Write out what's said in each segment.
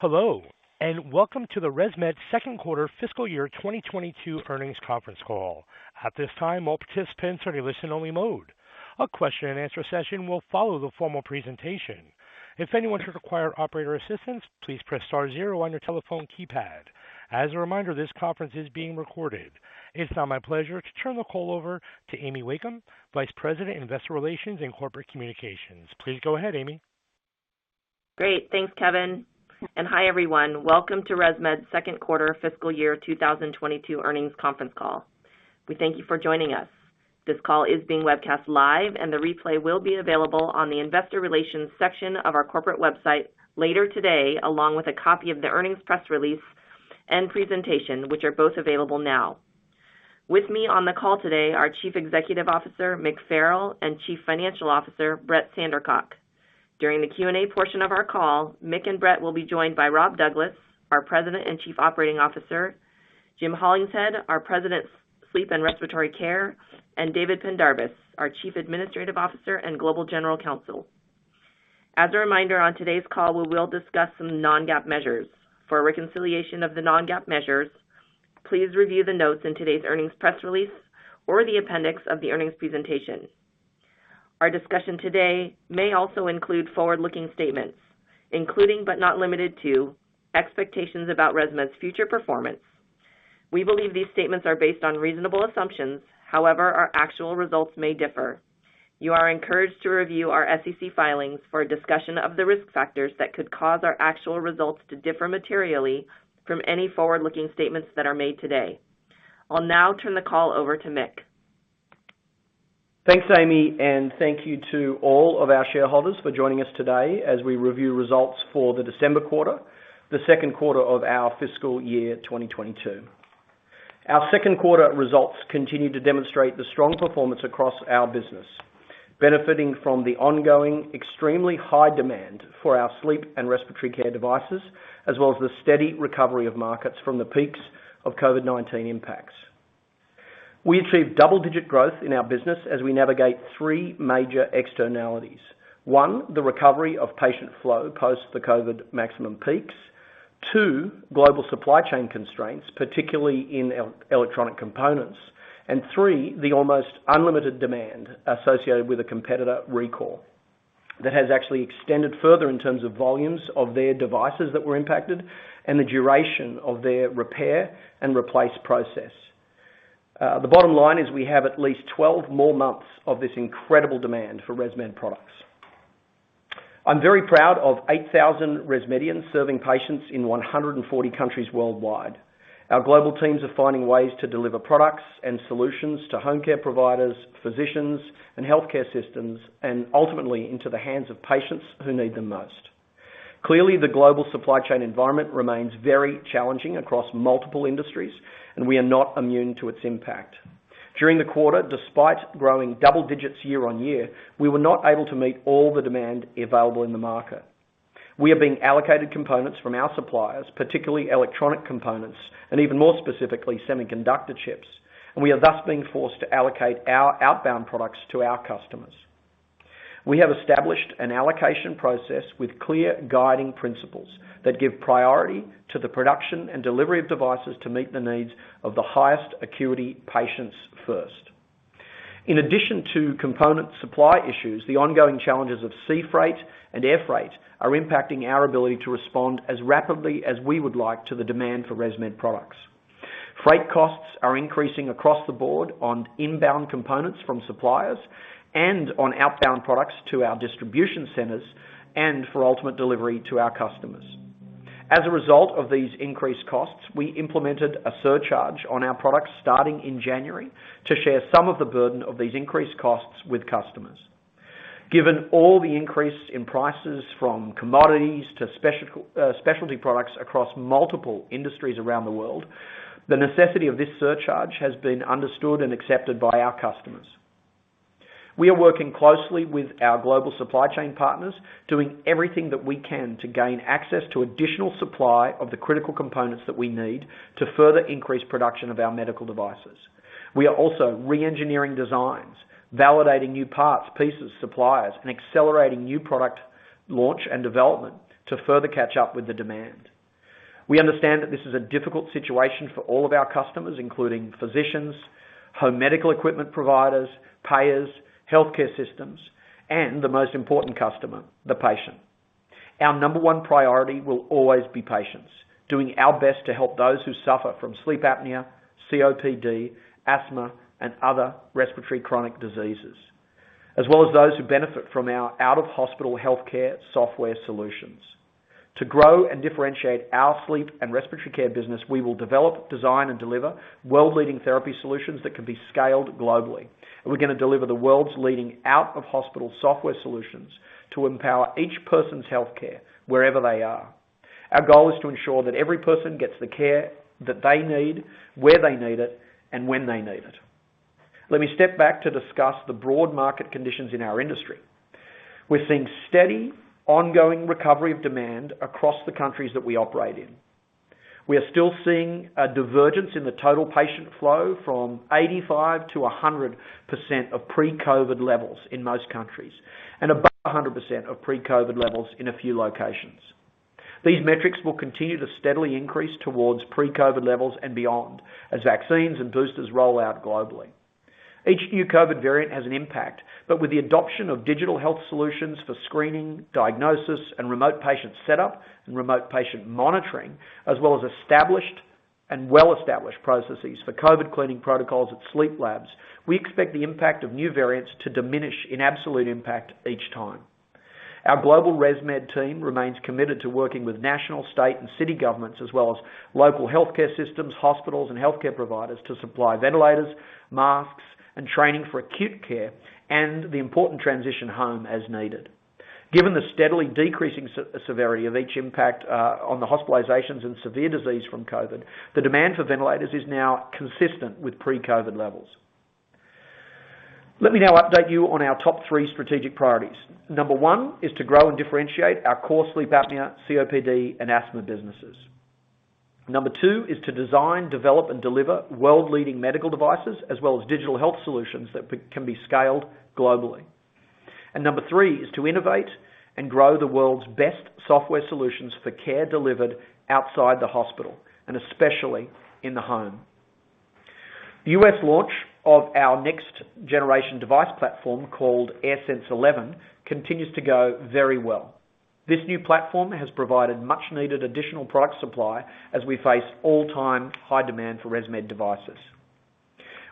Hello, and welcome to the ResMed second quarter fiscal year 2022 earnings conference call. At this time, all participants are in listen only mode. A question and answer session will follow the formal presentation. If anyone should require operator assistance, please press star zero on your telephone keypad. As a reminder, this conference is being recorded. It's now my pleasure to turn the call over to Amy Wakeham, Vice President, Investor Relations and Corporate Communications. Please go ahead, Amy. Great. Thanks, Kevin. Hi, everyone. Welcome to ResMed's second quarter fiscal year 2022 earnings conference call. We thank you for joining us. This call is being webcast live, and the replay will be available on the investor relations section of our corporate website later today, along with a copy of the earnings press release and presentation, which are both available now. With me on the call today are Chief Executive Officer, Mick Farrell, and Chief Financial Officer, Brett Sandercock. During the Q&A portion of our call, Mick and Brett will be joined by Rob Douglas, our President and Chief Operating Officer, Jim Hollingshead, our President, Sleep and Respiratory Care, and David Pendarvis, our Chief Administrative Officer and Global General Counsel. As a reminder, on today's call, we will discuss some non-GAAP measures. For a reconciliation of the non-GAAP measures, please review the notes in today's earnings press release or the appendix of the earnings presentation. Our discussion today may also include forward-looking statements, including but not limited to expectations about ResMed's future performance. We believe these statements are based on reasonable assumptions. However, our actual results may differ. You are encouraged to review our SEC filings for a discussion of the risk factors that could cause our actual results to differ materially from any forward-looking statements that are made today. I'll now turn the call over to Mick. Thanks, Amy, and thank you to all of our shareholders for joining us today as we review results for the December quarter, the second quarter of our fiscal year 2022. Our second quarter results continue to demonstrate the strong performance across our business, benefiting from the ongoing extremely high demand for our sleep and respiratory care devices, as well as the steady recovery of markets from the peaks of COVID-19 impacts. We achieved double-digit growth in our business as we navigate three major externalities. One, the recovery of patient flow post the COVID maximum peaks. Two, global supply chain constraints, particularly in electronic components. And three, the almost unlimited demand associated with a competitor recall that has actually extended further in terms of volumes of their devices that were impacted and the duration of their repair and replace process. The bottom line is we have at least 12 more months of this incredible demand for ResMed products. I'm very proud of 8,000 ResMedians serving patients in 140 countries worldwide. Our global teams are finding ways to deliver products and solutions to home care providers, physicians, and healthcare systems, and ultimately into the hands of patients who need them most. Clearly, the global supply chain environment remains very challenging across multiple industries, and we are not immune to its impact. During the quarter, despite growing double digits year on year, we were not able to meet all the demand available in the market. We are being allocated components from our suppliers, particularly electronic components and even more specifically, semiconductor chips. We are thus being forced to allocate our outbound products to our customers. We have established an allocation process with clear guiding principles that give priority to the production and delivery of devices to meet the needs of the highest acuity patients first. In addition to component supply issues, the ongoing challenges of sea freight and air freight are impacting our ability to respond as rapidly as we would like to the demand for ResMed products. Freight costs are increasing across the board on inbound components from suppliers and on outbound products to our distribution centers and for ultimate delivery to our customers. As a result of these increased costs, we implemented a surcharge on our products starting in January to share some of the burden of these increased costs with customers. Given all the increase in prices from commodities to specialty products across multiple industries around the world, the necessity of this surcharge has been understood and accepted by our customers. We are working closely with our global supply chain partners, doing everything that we can to gain access to additional supply of the critical components that we need to further increase production of our medical devices. We are also re-engineering designs, validating new parts, pieces, suppliers, and accelerating new product launch and development to further catch up with the demand. We understand that this is a difficult situation for all of our customers, including physicians, home medical equipment providers, payers, healthcare systems, and the most important customer, the patient. Our number one priority will always be patients. doing our best to help those who suffer from sleep apnea, COPD, asthma, and other respiratory chronic diseases, as well as those who benefit from our out-of-hospital healthcare software solutions. To grow and differentiate our sleep and respiratory care business, we will develop, design, and deliver world-leading therapy solutions that can be scaled globally. We're gonna deliver the world's leading out-of-hospital software solutions to empower each person's healthcare wherever they are. Our goal is to ensure that every person gets the care that they need, where they need it, and when they need it. Let me step back to discuss the broad market conditions in our industry. We're seeing steady, ongoing recovery of demand across the countries that we operate in. We are still seeing a divergence in the total patient flow from 85% to 100% of pre-COVID levels in most countries, and above 100% of pre-COVID levels in a few locations. These metrics will continue to steadily increase towards pre-COVID levels and beyond as vaccines and boosters roll out globally. Each new COVID variant has an impact, but with the adoption of digital health solutions for screening, diagnosis, and remote patient setup, and remote patient monitoring, as well as established and well-established processes for COVID cleaning protocols at sleep labs, we expect the impact of new variants to diminish in absolute impact each time. Our global ResMed team remains committed to working with national, state, and city governments, as well as local healthcare systems, hospitals, and healthcare providers to supply ventilators, masks, and training for acute care, and the important transition home as needed. Given the steadily decreasing severity of each impact on the hospitalizations and severe disease from COVID, the demand for ventilators is now consistent with pre-COVID levels. Let me now update you on our top three strategic priorities. Number one is to grow and differentiate our core sleep apnea, COPD, and asthma businesses. Number two is to design, develop, and deliver world-leading medical devices as well as digital health solutions that can be scaled globally. Number three is to innovate and grow the world's best software solutions for care delivered outside the hospital, and especially in the home. The U.S. launch of our next generation device platform called AirSense 11 continues to go very well. This new platform has provided much needed additional product supply as we face all-time high demand for ResMed devices.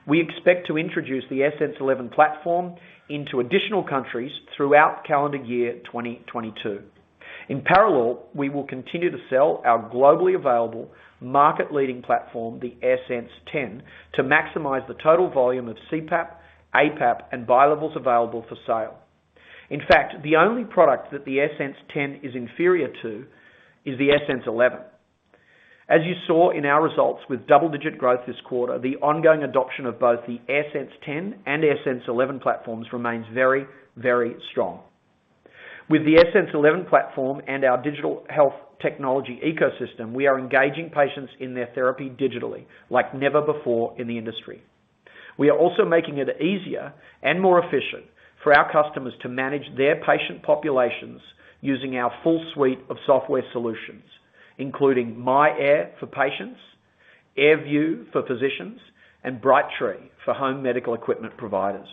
We expect to introduce the AirSense 11 platform into additional countries throughout calendar year 2022. In parallel, we will continue to sell our globally available market leading platform, the AirSense 10, to maximize the total volume of CPAP, APAP, and BiLevels available for sale. In fact, the only product that the AirSense 11 is inferior to is the AirSense 11. As you saw in our results with double-digit growth this quarter, the ongoing adoption of both the AirSense 10 and AirSense 11 platforms remains very, very strong. With the AirSense 11 platform and our digital health technology ecosystem, we are engaging patients in their therapy digitally like never before in the industry. We are also making it easier and more efficient for our customers to manage their patient populations using our full suite of software solutions, including myAir for patients, AirView for physicians, and Brightree for home medical equipment providers.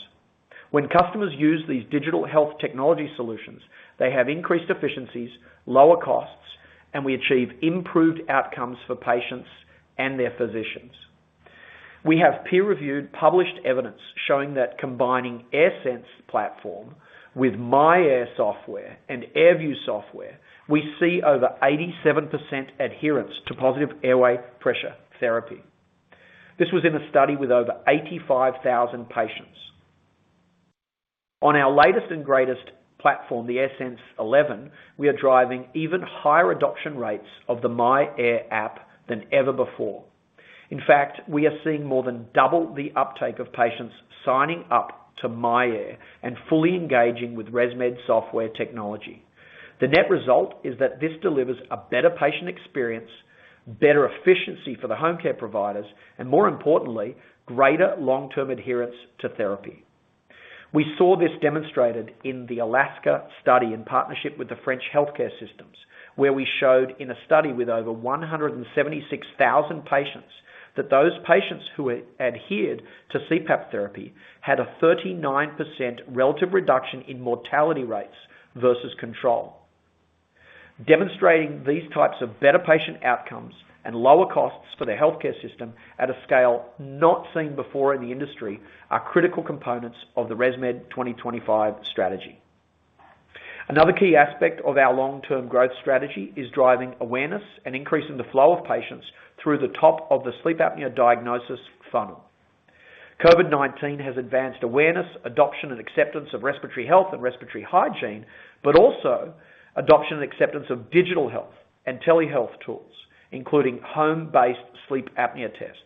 When customers use these digital health technology solutions, they have increased efficiencies, lower costs, and we achieve improved outcomes for patients and their physicians. We have peer-reviewed, published evidence showing that combining AirSense platform with myAir software and AirView software, we see over 87% adherence to positive airway pressure therapy. This was in a study with over 85,000 patients. On our latest and greatest platform, the AirSense 11, we are driving even higher adoption rates of the myAir app than ever before. In fact, we are seeing more than double the uptake of patients signing up to myAir and fully engaging with ResMed software technology. The net result is that this delivers a better patient experience, better efficiency for the home care providers, and more importantly, greater long-term adherence to therapy. We saw this demonstrated in the ALASKA study in partnership with the French healthcare systems, where we showed in a study with over 176,000 patients that those patients who adhered to CPAP therapy had a 39% relative reduction in mortality rates versus control. Demonstrating these types of better patient outcomes and lower costs for the healthcare system at a scale not seen before in the industry are critical components of the ResMed 2025 strategy. Another key aspect of our long-term growth strategy is driving awareness and increasing the flow of patients through the top of the sleep apnea diagnosis funnel. COVID-19 has advanced awareness, adoption, and acceptance of respiratory health and respiratory hygiene, but also adoption and acceptance of digital health and telehealth tools, including home-based sleep apnea tests.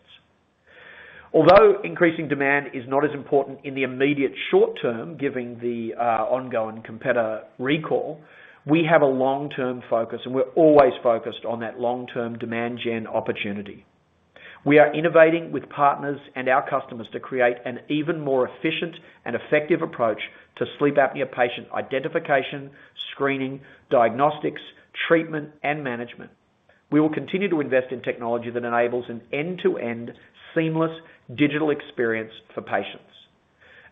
Although increasing demand is not as important in the immediate short term, given the ongoing competitor recall, we have a long-term focus, and we're always focused on that long-term demand gen opportunity. We are innovating with partners and our customers to create an even more efficient and effective approach to sleep apnea patient identification, screening, diagnostics, treatment, and management. We will continue to invest in technology that enables an end-to-end seamless digital experience for patients.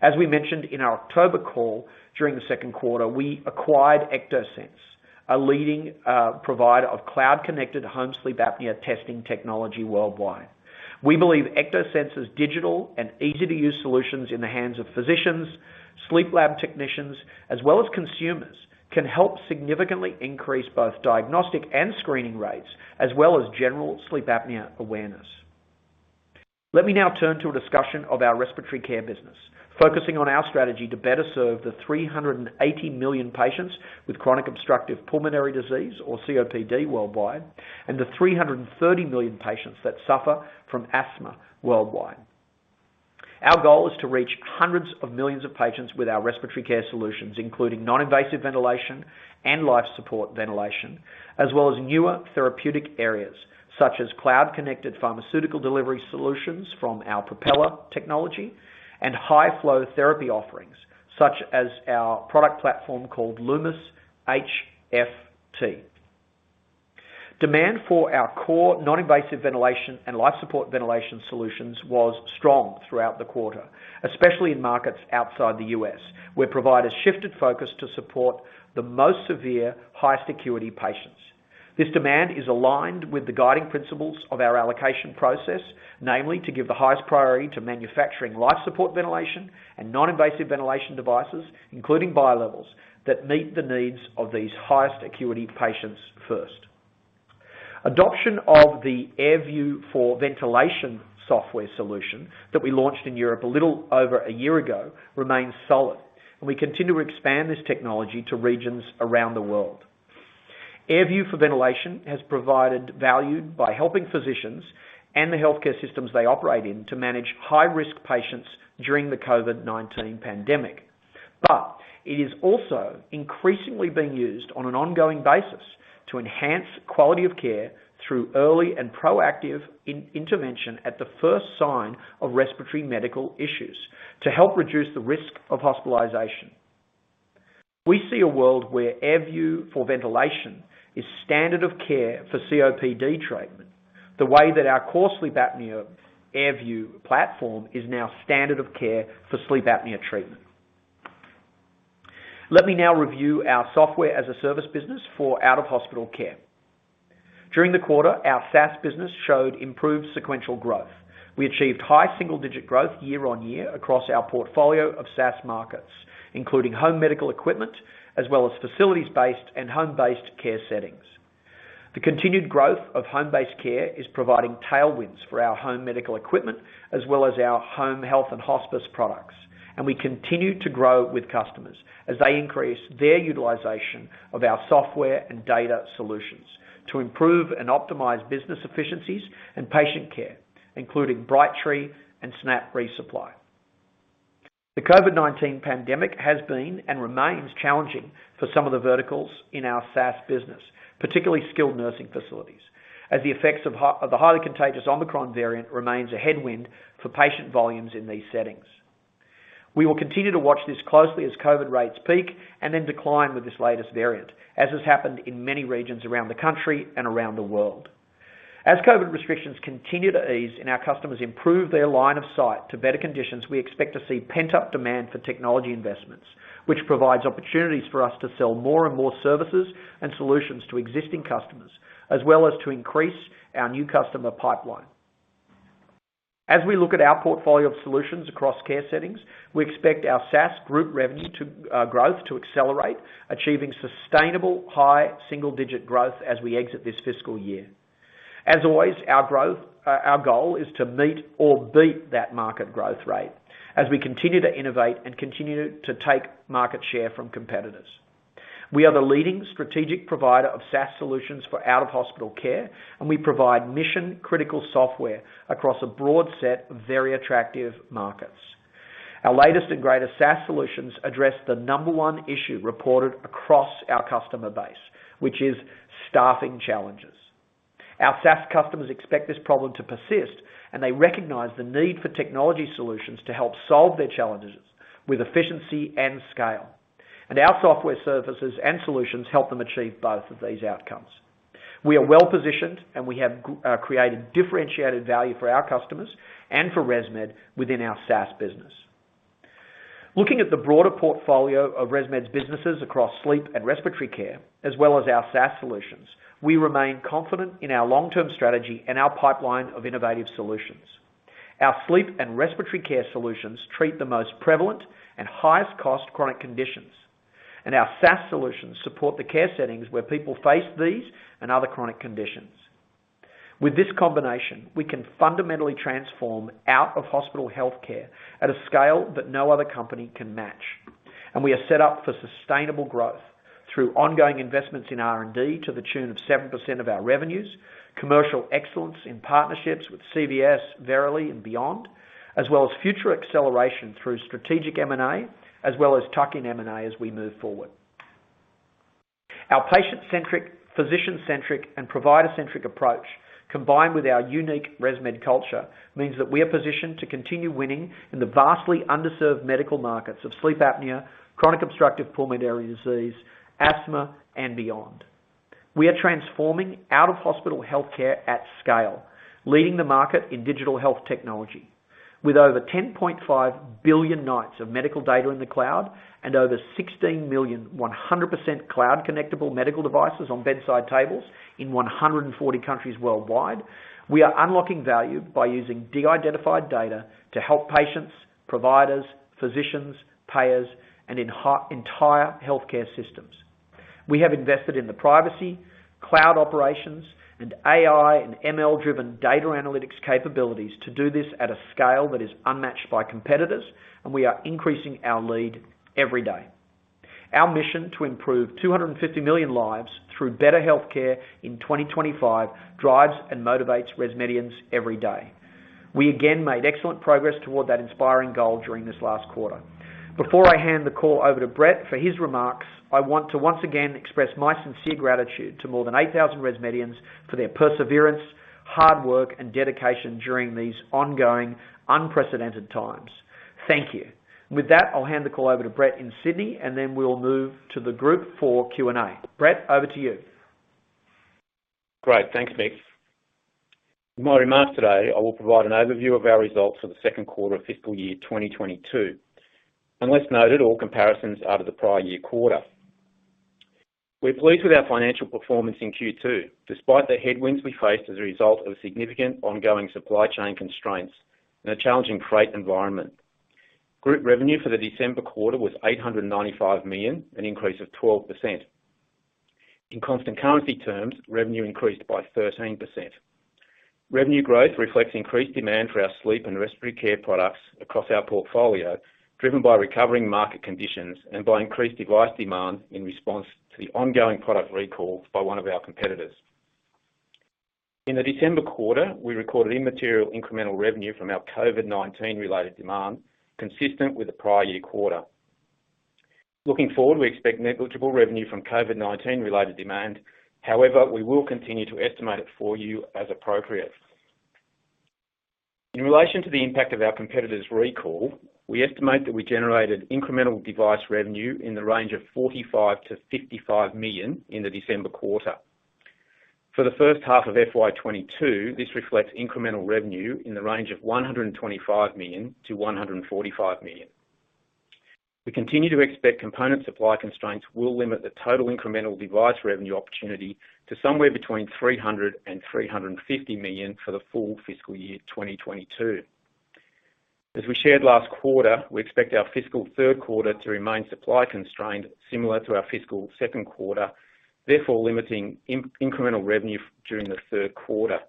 As we mentioned in our October call, during the second quarter, we acquired Ectosense, a leading provider of cloud-connected home sleep apnea testing technology worldwide. We believe Ectosense's digital and easy-to-use solutions in the hands of physicians, sleep lab technicians, as well as consumers, can help significantly increase both diagnostic and screening rates, as well as general sleep apnea awareness. Let me now turn to a discussion of our respiratory care business, focusing on our strategy to better serve the 380 million patients with chronic obstructive pulmonary disease or COPD worldwide, and the 330 million patients that suffer from asthma worldwide. Our goal is to reach hundreds of millions of patients with our respiratory care solutions, including non-invasive ventilation and life support ventilation, as well as newer therapeutic areas, such as cloud-connected pharmaceutical delivery solutions from our Propeller technology and high-flow therapy offerings, such as our product platform called Lumis HFT. Demand for our core non-invasive ventilation and life support ventilation solutions was strong throughout the quarter, especially in markets outside the U.S., where providers shifted focus to support the most severe highest acuity patients. This demand is aligned with the guiding principles of our allocation process, namely, to give the highest priority to manufacturing life support ventilation and non-invasive ventilation devices, including BiLevels that meet the needs of these highest acuity patients first. Adoption of the AirView for ventilation software solution that we launched in Europe a little over a year ago remains solid, and we continue to expand this technology to regions around the world. AirView for ventilation has provided value by helping physicians and the healthcare systems they operate in to manage high-risk patients during the COVID-19 pandemic. It is also increasingly being used on an ongoing basis to enhance quality of care through early and proactive intervention at the first sign of respiratory medical issues to help reduce the risk of hospitalization. We see a world where AirView for ventilation is standard of care for COPD treatment, the way that our core sleep apnea AirView platform is now standard of care for sleep apnea treatment. Let me now review our software as a service business for out-of-hospital care. During the quarter, our SaaS business showed improved sequential growth. We achieved high single-digit growth year-on-year across our portfolio of SaaS markets, including home medical equipment, as well as facilities-based and home-based care settings. The continued growth of home-based care is providing tailwinds for our home medical equipment as well as our home health and hospice products. We continue to grow with customers as they increase their utilization of our software and data solutions to improve and optimize business efficiencies and patient care, including Brightree and SNAP Resupply. The COVID-19 pandemic has been and remains challenging for some of the verticals in our SaaS business, particularly skilled nursing facilities. As the effects of the highly contagious Omicron variant remains a headwind for patient volumes in these settings. We will continue to watch this closely as COVID rates peak and then decline with this latest variant, as has happened in many regions around the country and around the world. As COVID restrictions continue to ease and our customers improve their line of sight to better conditions, we expect to see pent-up demand for technology investments, which provides opportunities for us to sell more and more services and solutions to existing customers, as well as to increase our new customer pipeline. As we look at our portfolio of solutions across care settings, we expect our SaaS group revenue growth to accelerate, achieving sustainable high single-digit growth as we exit this fiscal year. As always, our goal is to meet or beat that market growth rate as we continue to innovate and continue to take market share from competitors. We are the leading strategic provider of SaaS solutions for out-of-hospital care, and we provide mission-critical software across a broad set of very attractive markets. Our latest and greatest SaaS solutions address the number one issue reported across our customer base, which is staffing challenges. Our SaaS customers expect this problem to persist, and they recognize the need for technology solutions to help solve their challenges with efficiency and scale. Our software services and solutions help them achieve both of these outcomes. We are well-positioned, and we have created differentiated value for our customers and for ResMed within our SaaS business. Looking at the broader portfolio of ResMed's businesses across sleep and respiratory care, as well as our SaaS solutions, we remain confident in our long-term strategy and our pipeline of innovative solutions. Our sleep and respiratory care solutions treat the most prevalent and highest cost chronic conditions, and our SaaS solutions support the care settings where people face these and other chronic conditions. With this combination, we can fundamentally transform out-of-hospital healthcare at a scale that no other company can match. We are set up for sustainable growth through ongoing investments in R&D to the tune of 7% of our revenues, commercial excellence in partnerships with CVS, Verily, and beyond, as well as future acceleration through strategic M&A, as well as tuck-in M&A as we move forward. Our patient-centric, physician-centric, and provider-centric approach, combined with our unique ResMed culture, means that we are positioned to continue winning in the vastly underserved medical markets of sleep apnea, chronic obstructive pulmonary disease, asthma, and beyond. We are transforming out-of-hospital healthcare at scale, leading the market in digital health technology. With over 10.5 billion nights of medical data in the cloud and over 16 million 100% cloud connectable medical devices on bedside tables in 140 countries worldwide, we are unlocking value by using de-identified data to help patients, providers, physicians, payers, and entire healthcare systems. We have invested in the privacy, cloud operations, and AI and ML-driven data analytics capabilities to do this at a scale that is unmatched by competitors, and we are increasing our lead every day. Our mission to improve 250 million lives through better healthcare in 2025 drives and motivates ResMedians every day. We again made excellent progress toward that inspiring goal during this last quarter. Before I hand the call over to Brett for his remarks, I want to once again express my sincere gratitude to more than 8,000 ResMedians for their perseverance, hard work, and dedication during these ongoing unprecedented times. Thank you. With that, I'll hand the call over to Brett in Sydney, and then we'll move to the group for Q&A. Brett, over to you. Great. Thanks, Mick. In my remarks today, I will provide an overview of our results for the second quarter of fiscal year 2022. Unless noted, all comparisons are to the prior year quarter. We're pleased with our financial performance in Q2, despite the headwinds we faced as a result of significant ongoing supply chain constraints and a challenging freight environment. Group revenue for the December quarter was $895 million, an increase of 12%. In constant currency terms, revenue increased by 13%. Revenue growth reflects increased demand for our sleep and respiratory care products across our portfolio, driven by recovering market conditions and by increased device demand in response to the ongoing product recall by one of our competitors. In the December quarter, we recorded immaterial incremental revenue from our COVID-19 related demand, consistent with the prior year quarter. Looking forward, we expect negligible revenue from COVID-19 related demand. However, we will continue to estimate it for you as appropriate. In relation to the impact of our competitor's recall, we estimate that we generated incremental device revenue in the range of $45 million-$55 million in the December quarter. For the first half of FY 2022, this reflects incremental revenue in the range of $125 million-$145 million. We continue to expect component supply constraints will limit the total incremental device revenue opportunity to somewhere between $300 million and $350 million for the full fiscal year 2022. As we shared last quarter, we expect our fiscal third quarter to remain supply constrained similar to our fiscal second quarter, therefore limiting incremental revenue during the third quarter.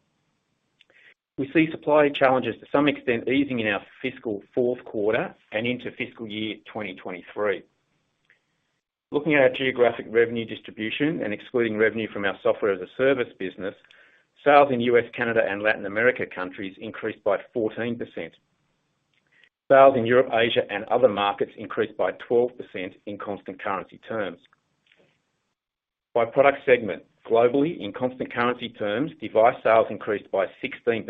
We see supply challenges to some extent easing in our fiscal fourth quarter and into fiscal year 2023. Looking at our geographic revenue distribution and excluding revenue from our software as a service business, sales in U.S., Canada, and Latin America countries increased by 14%. Sales in Europe, Asia, and other markets increased by 12% in constant currency terms. By product segment, globally in constant currency terms, device sales increased by 16%,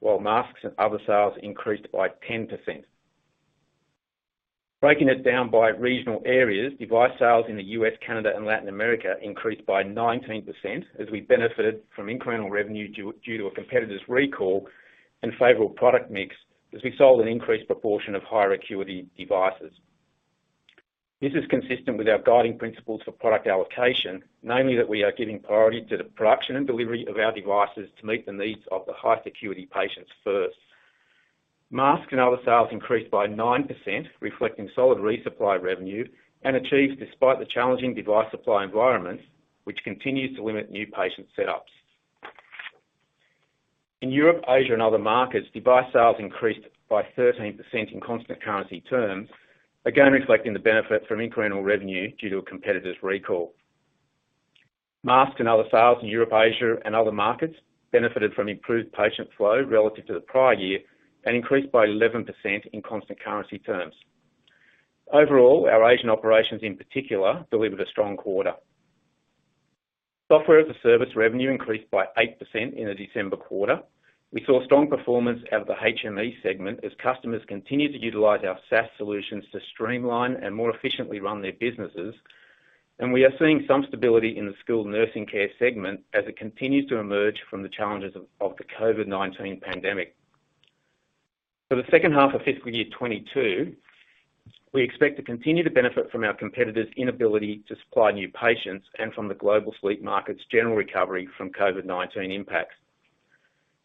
while masks and other sales increased by 10%. Breaking it down by regional areas, device sales in the U.S., Canada, and Latin America increased by 19% as we benefited from incremental revenue due to a competitor's recall and favorable product mix as we sold an increased proportion of higher acuity devices. This is consistent with our guiding principles for product allocation, namely that we are giving priority to the production and delivery of our devices to meet the needs of the highest acuity patients first. Mask and other sales increased by 9%, reflecting solid resupply revenue and achieved despite the challenging device supply environment, which continues to limit new patient setups. In Europe, Asia, and other markets, device sales increased by 13% in constant currency terms, again, reflecting the benefit from incremental revenue due to a competitor's recall. Mask and other sales in Europe, Asia, and other markets benefited from improved patient flow relative to the prior year and increased by 11% in constant currency terms. Overall, our Asian operations in particular delivered a strong quarter. Software as a Service revenue increased by 8% in the December quarter. We saw strong performance out of the HME segment as customers continued to utilize our SaaS solutions to streamline and more efficiently run their businesses. We are seeing some stability in the skilled nursing care segment as it continues to emerge from the challenges of the COVID-19 pandemic. For the second half of fiscal year 2022, we expect to continue to benefit from our competitors' inability to supply new patients and from the global sleep market's general recovery from COVID-19 impacts.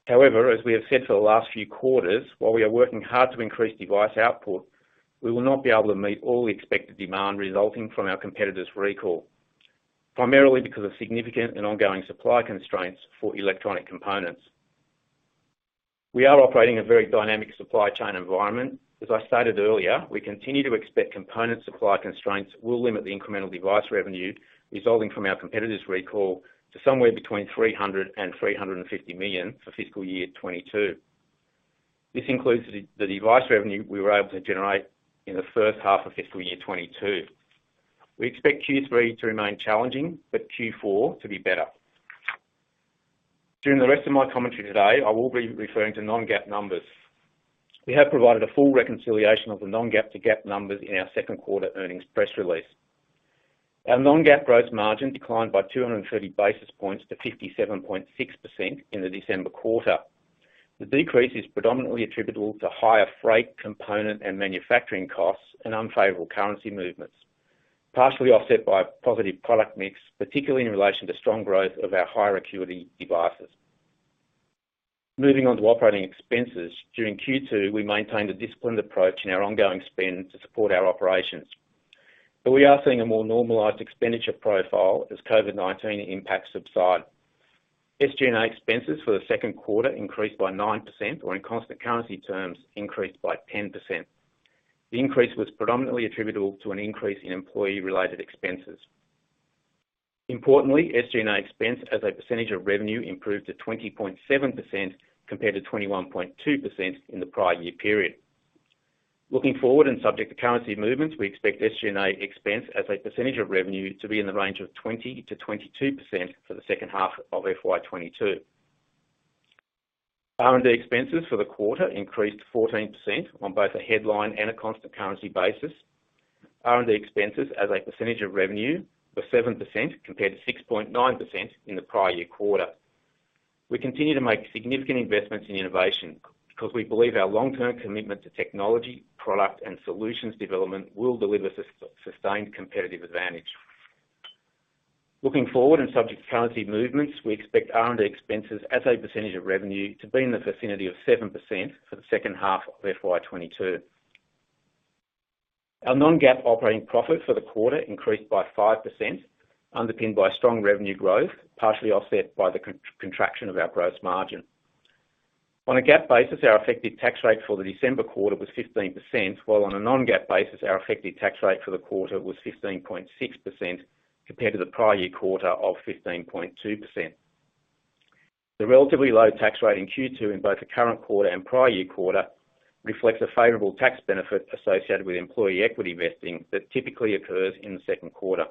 However, as we have said for the last few quarters, while we are working hard to increase device output, we will not be able to meet all the expected demand resulting from our competitor's recall, primarily because of significant and ongoing supply constraints for electronic components. We are operating in a very dynamic supply chain environment. As I stated earlier, we continue to expect component supply constraints will limit the incremental device revenue resulting from our competitor's recall to somewhere between $300 million-$350 million for fiscal year 2022. This includes the device revenue we were able to generate in the first half of fiscal year 2022. We expect Q3 to remain challenging, but Q4 to be better. During the rest of my commentary today, I will be referring to non-GAAP numbers. We have provided a full reconciliation of the non-GAAP to GAAP numbers in our second quarter earnings press release. Our non-GAAP gross margin declined by 230 basis points to 57.6% in the December quarter. The decrease is predominantly attributable to higher freight, component, and manufacturing costs and unfavorable currency movements, partially offset by positive product mix, particularly in relation to strong growth of our higher acuity devices. Moving on to operating expenses. During Q2, we maintained a disciplined approach in our ongoing spend to support our operations, but we are seeing a more normalized expenditure profile as COVID-19 impacts subside. SG&A expenses for the second quarter increased by 9% or in constant currency terms increased by 10%. The increase was predominantly attributable to an increase in employee-related expenses. Importantly, SG&A expense as a percentage of revenue improved to 20.7% compared to 21.2% in the prior year period. Looking forward and subject to currency movements, we expect SG&A expense as a percentage of revenue to be in the range of 20%-22% for the second half of FY 2022. R&D expenses for the quarter increased 14% on both a headline and a constant currency basis. R&D expenses as a percentage of revenue were 7% compared to 6.9% in the prior year quarter. We continue to make significant investments in innovation because we believe our long-term commitment to technology, product, and solutions development will deliver sustained competitive advantage. Looking forward and subject to currency movements, we expect R&D expenses as a percentage of revenue to be in the vicinity of 7% for the second half of FY 2022. Our non-GAAP operating profit for the quarter increased by 5%, underpinned by strong revenue growth, partially offset by the contraction of our gross margin. On a GAAP basis, our effective tax rate for the December quarter was 15%, while on a non-GAAP basis, our effective tax rate for the quarter was 15.6% compared to the prior year quarter of 15.2%. The relatively low tax rate in Q2 in both the current quarter and prior year quarter reflects a favorable tax benefit associated with employee equity vesting that typically occurs in the second quarter.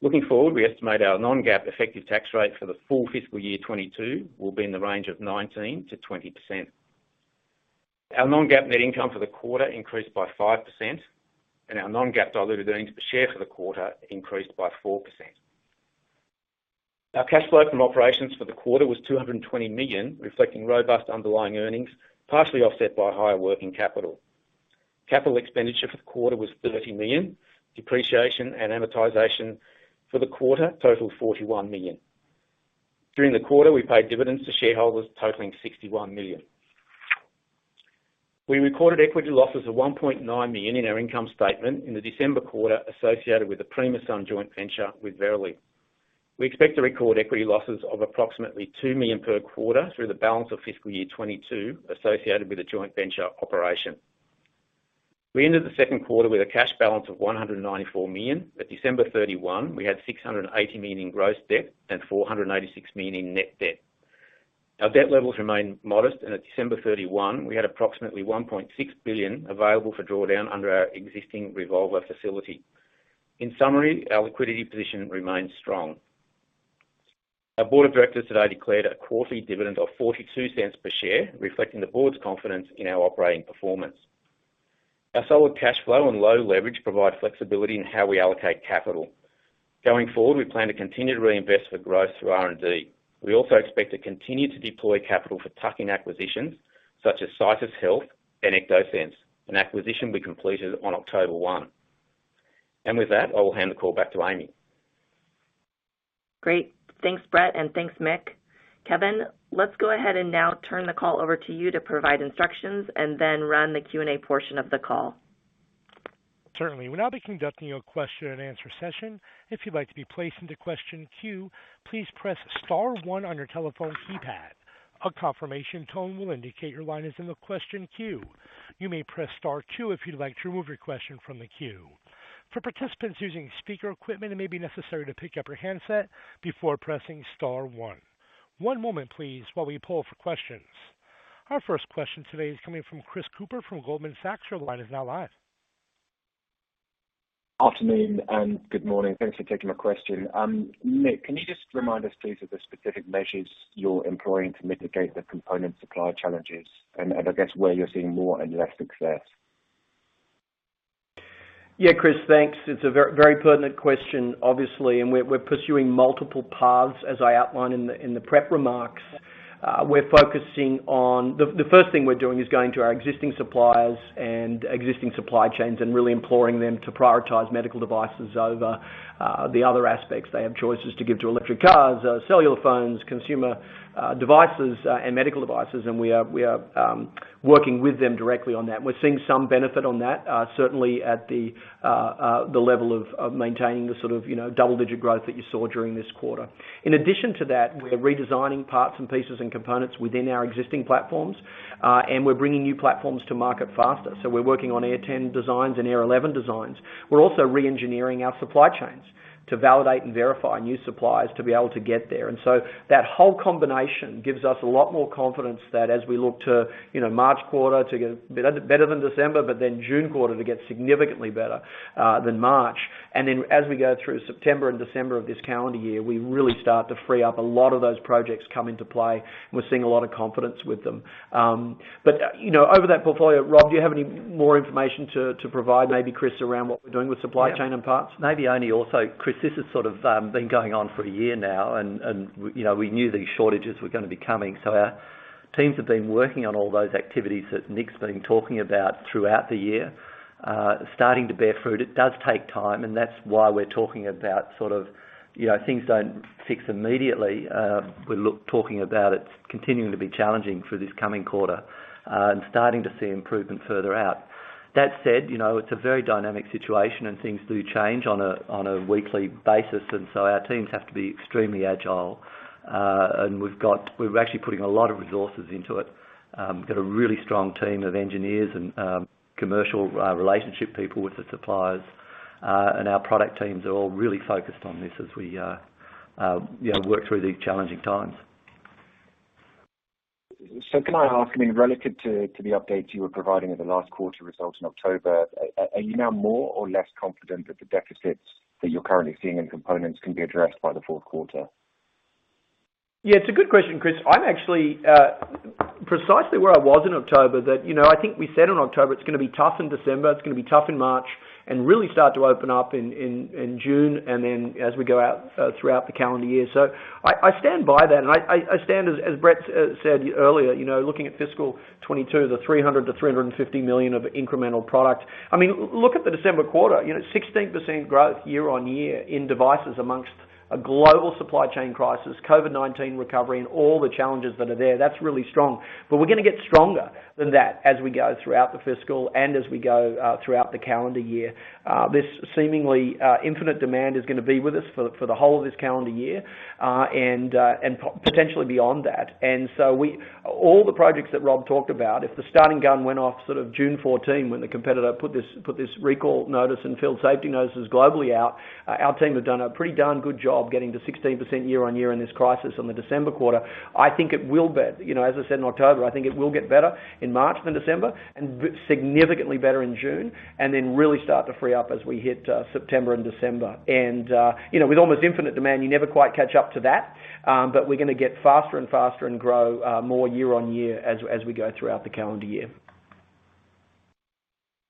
Looking forward, we estimate our non-GAAP effective tax rate for the full FY 2022 will be in the range of 19%-20%. Our non-GAAP net income for the quarter increased by 5% and our non-GAAP diluted earnings per share for the quarter increased by 4%. Our cash flow from operations for the quarter was $220 million, reflecting robust underlying earnings, partially offset by higher working capital. Capital expenditure for the quarter was $30 million. Depreciation and amortization for the quarter totaled $41 million. During the quarter, we paid dividends to shareholders totaling $61 million. We recorded equity losses of $1.9 million in our income statement in the December quarter associated with the Primasun joint venture with Verily. We expect to record equity losses of approximately $2 million per quarter through the balance of FY 2022 associated with the joint venture operation. We ended the second quarter with a cash balance of $194 million. At December 31, we had $680 million in gross debt and $486 million in net debt. Our debt levels remain modest, and at December 31, we had approximately $1.6 billion available for drawdown under our existing revolver facility. In summary, our liquidity position remains strong. Our board of directors today declared a quarterly dividend of $0.42 per share, reflecting the board's confidence in our operating performance. Our solid cash flow and low leverage provide flexibility in how we allocate capital. Going forward, we plan to continue to reinvest for growth through R&D. We also expect to continue to deploy capital for tuck-in acquisitions such as Citus Health and Ectosense, an acquisition we completed on October 1. With that, I will hand the call back to Amy. Great. Thanks, Brett, and thanks, Mick. Kevin, let's go ahead and now turn the call over to you to provide instructions and then run the Q&A portion of the call. Certainly. We're now conducting your question and answer session. If you'd like to be placed into question queue, please press star one on your telephone keypad. A confirmation tone will indicate your line is in the question queue. You may press star two if you'd like to remove your question from the queue. For participants using speaker equipment, it may be necessary to pick up your handset before pressing star one. One moment, please, while we poll for questions. Our first question today is coming from Chris Cooper from Goldman Sachs. Your line is now live. Afternoon and good morning. Thanks for taking my question. Mick, can you just remind us, please, of the specific measures you're employing to mitigate the component supply challenges and I guess where you're seeing more and less success? Yeah, Chris, thanks. It's a very pertinent question, obviously, and we're pursuing multiple paths, as I outlined in the prep remarks. We're focusing on the first thing we're doing is going to our existing suppliers and existing supply chains and really imploring them to prioritize medical devices over the other aspects. They have choices to give to electric cars, cellular phones, consumer devices, and medical devices. We are working with them directly on that. We're seeing some benefit on that, certainly at the level of maintaining the sort of, you know, double-digit growth that you saw during this quarter. In addition to that, we're redesigning parts and pieces and components within our existing platforms, and we're bringing new platforms to market faster. We're working on AirSense 10 designs and AirSense 11 designs. We're also re-engineering our supply chains to validate and verify new suppliers to be able to get there. That whole combination gives us a lot more confidence that as we look to March quarter to get better than December, but June quarter to get significantly better than March. As we go through September and December of this calendar year, we really start to free up. A lot of those projects come into play, and we're seeing a lot of confidence with them. Over that portfolio, Rob, do you have any more information to provide, maybe Chris, around what we're doing with supply chain and parts? Chris, this has sort of been going on for a year now and you know, we knew these shortages were gonna be coming. Our teams have been working on all those activities that Mick's been talking about throughout the year, starting to bear fruit. It does take time, and that's why we're talking about sort of you know, things don't fix immediately. We're talking about it continuing to be challenging for this coming quarter, and starting to see improvement further out. That said, you know, it's a very dynamic situation, and things do change on a weekly basis. Our teams have to be extremely agile. We're actually putting a lot of resources into it. Got a really strong team of engineers and commercial relationship people with the suppliers. Our product teams are all really focused on this as we, you know, work through these challenging times. Can I ask, I mean, relative to the update you were providing at the last quarter results in October, are you now more or less confident that the deficits that you're currently seeing in components can be addressed by the fourth quarter? Yeah, it's a good question, Chris. I'm actually precisely where I was in October, that you know I think we said in October, it's gonna be tough in December, it's gonna be tough in March, and really start to open up in June, and then as we go out throughout the calendar year. I stand by that. I stand as Brett said earlier, you know, looking at fiscal 2022, the $300 million-$350 million of incremental product. I mean, look at the December quarter, you know, 16% growth year-on-year in devices amongst a global supply chain crisis, COVID-19 recovery, and all the challenges that are there. That's really strong. We're gonna get stronger than that as we go throughout the fiscal and as we go throughout the calendar year. This seemingly infinite demand is gonna be with us for the whole of this calendar year and potentially beyond that. All the projects that Rob talked about, if the starting gun went off sort of June 14 when the competitor put this recall notice and field safety notices out globally, our team have done a pretty darn good job getting to 16% year-on-year in this crisis on the December quarter. I think it will be, you know, as I said in October, I think it will get better in March than December, and significantly better in June, and then really start to free up as we hit September and December. You know, with almost infinite demand, you never quite catch up to that, but we're gonna get faster and faster and grow more year on year as we go throughout the calendar year.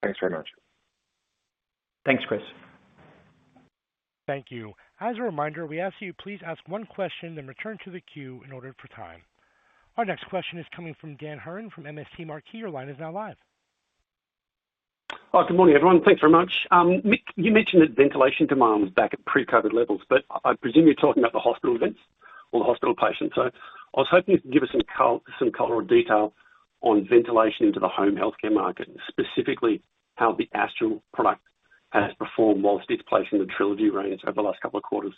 Thanks very much. Thanks, Chris. Thank you. As a reminder, we ask you please ask one question then return to the queue in order for time. Our next question is coming from Dan Hurren from MST Marquee. Your line is now live. Oh, good morning, everyone. Thanks very much. Mick, you mentioned that ventilation demand was back at pre-COVID levels, but I presume you're talking about the hospital vents or the hospital patients. I was hoping you could give us some color or detail on ventilation into the home healthcare market, and specifically how the Astral product has performed while displacing the Trilogy range over the last couple of quarters.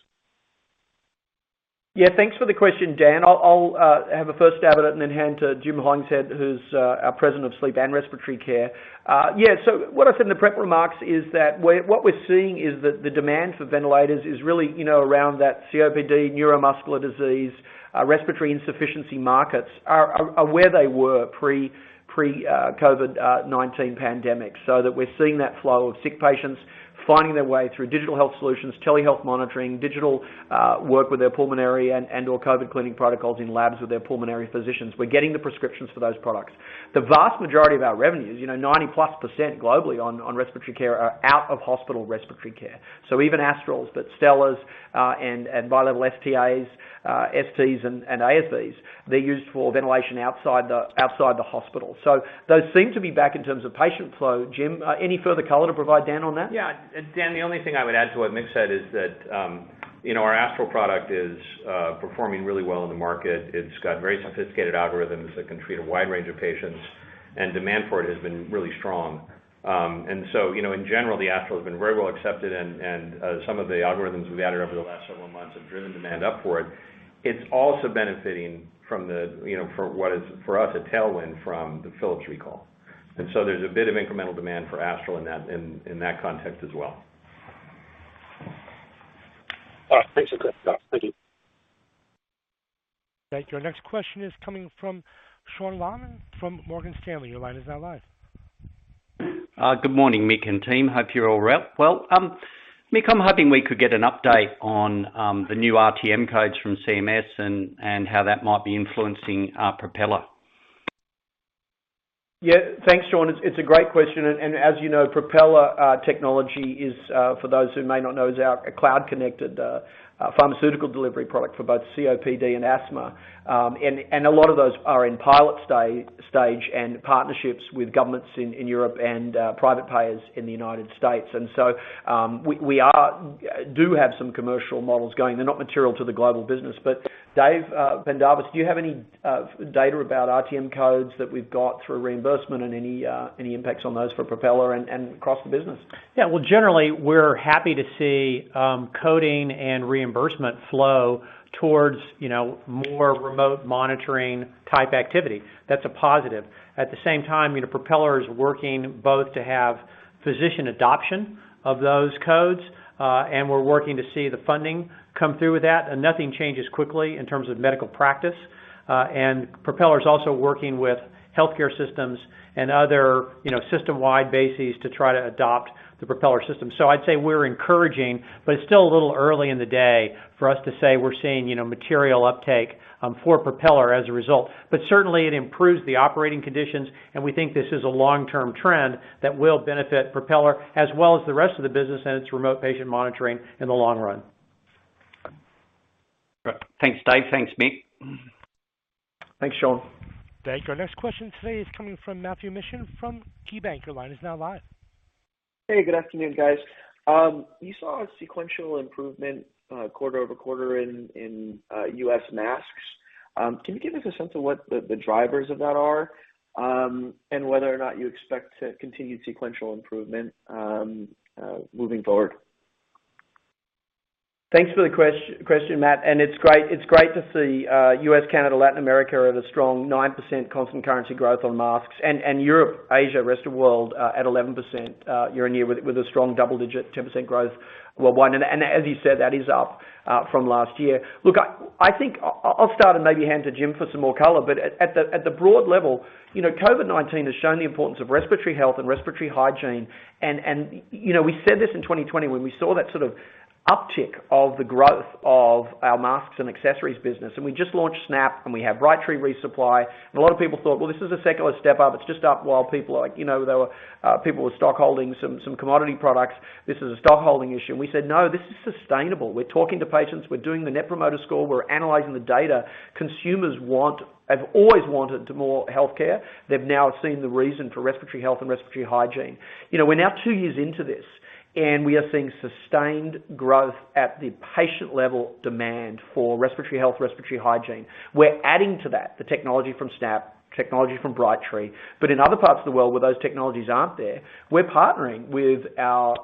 Yeah. Thanks for the question, Dan. I'll have a first stab at it and then hand to Jim Hollingshead, who's our President of Sleep and Respiratory Care. Yeah, what I said in the prep remarks is that what we're seeing is that the demand for ventilators is really, you know, around that COPD, neuromuscular disease, respiratory insufficiency markets are where they were pre-COVID-19 pandemic. We're seeing that flow of sick patients finding their way through digital health solutions, telehealth monitoring, digital work with their pulmonary and/or COVID cleaning protocols in labs with their pulmonary physicians. We're getting the prescriptions for those products. The vast majority of our revenues, you know, 90-plus% globally on respiratory care are out-of-hospital respiratory care. Even Astrals, but Stellars, and BiLevel ST-As, STs and ASVs, they're used for ventilation outside the hospital. Those seem to be back in terms of patient flow. Jim, any further color to provide Dan on that? Yeah. Dan, the only thing I would add to what Mick said is that, you know, our Astral product is performing really well in the market. It's got very sophisticated algorithms that can treat a wide range of patients, and demand for it has been really strong. You know, in general, the Astral has been very well accepted and some of the algorithms we've added over the last several months have driven demand up for it. It's also benefiting from what is, for us, a tailwind from the Philips recall. There's a bit of incremental demand for Astral in that context as well. All right. Thanks. That's great. Yeah. Thank you. Thank you. Our next question is coming from Sean Laaman from Morgan Stanley. Your line is now live. Good morning, Mick and team. Hope you're all well. Mick, I'm hoping we could get an update on the new RTM codes from CMS and how that might be influencing Propeller. Yeah. Thanks, Sean. It's a great question. As you know, Propeller technology is, for those who may not know, our cloud-connected pharmaceutical delivery product for both COPD and asthma. A lot of those are in pilot stage and partnerships with governments in Europe and private payers in the United States. We do have some commercial models going. They're not material to the global business. David Pendarvis, do you have any data about RTM codes that we've got through reimbursement and any impacts on those for Propeller and across the business? Yeah. Well, generally, we're happy to see, coding and reimbursement flow towards, you know, more remote monitoring type activity. That's a positive. At the same time, you know, Propeller is working both to have physician adoption of those codes, and we're working to see the funding come through with that. Nothing changes quickly in terms of medical practice. Propeller is also working with healthcare systems and other, you know, system-wide bases to try to adopt the Propeller system. I'd say it's encouraging, but it's still a little early in the day for us to say we're seeing, you know, material uptake, for Propeller as a result. Certainly it improves the operating conditions, and we think this is a long-term trend that will benefit Propeller as well as the rest of the business and its remote patient monitoring in the long run. Great. Thanks, David. Thanks, Mick. Thanks, Sean. Thank you. Our next question today is coming from Matthew Mishan from KeyBanc Capital Markets. Your line is now live. Hey, good afternoon, guys. You saw a sequential improvement quarter-over-quarter in U.S. masks. Can you give us a sense of what the drivers of that are, and whether or not you expect to continue sequential improvement moving forward? Thanks for the question, Matt. It's great to see U.S., Canada, Latin America at a strong 9% constant currency growth on masks. Europe, Asia, rest of world at 11% year-on-year with a strong double-digit 10% growth worldwide. As you said, that is up from last year. Look, I think I'll start and maybe hand to Jim for some more color. At the broad level, you know, COVID-19 has shown the importance of respiratory health and respiratory hygiene. You know, we said this in 2020 when we saw that sort of uptick of the growth of our masks and accessories business, and we just launched SNAP and we have Brightree resupply. A lot of people thought, "Well, this is a secular step up. It's just up while people are like there were people with stockholding some commodity products. This is a stockholding issue. We said, "No, this is sustainable. We're talking to patients. We're doing the net promoter score. We're analyzing the data. Consumers have always wanted more healthcare. They've now seen the reason for respiratory health and respiratory hygiene." We're now two years into this, and we are seeing sustained growth at the patient level demand for respiratory health, respiratory hygiene. We're adding to that the technology from SNAP, technology from Brightree. But in other parts of the world where those technologies aren't there, we're partnering with our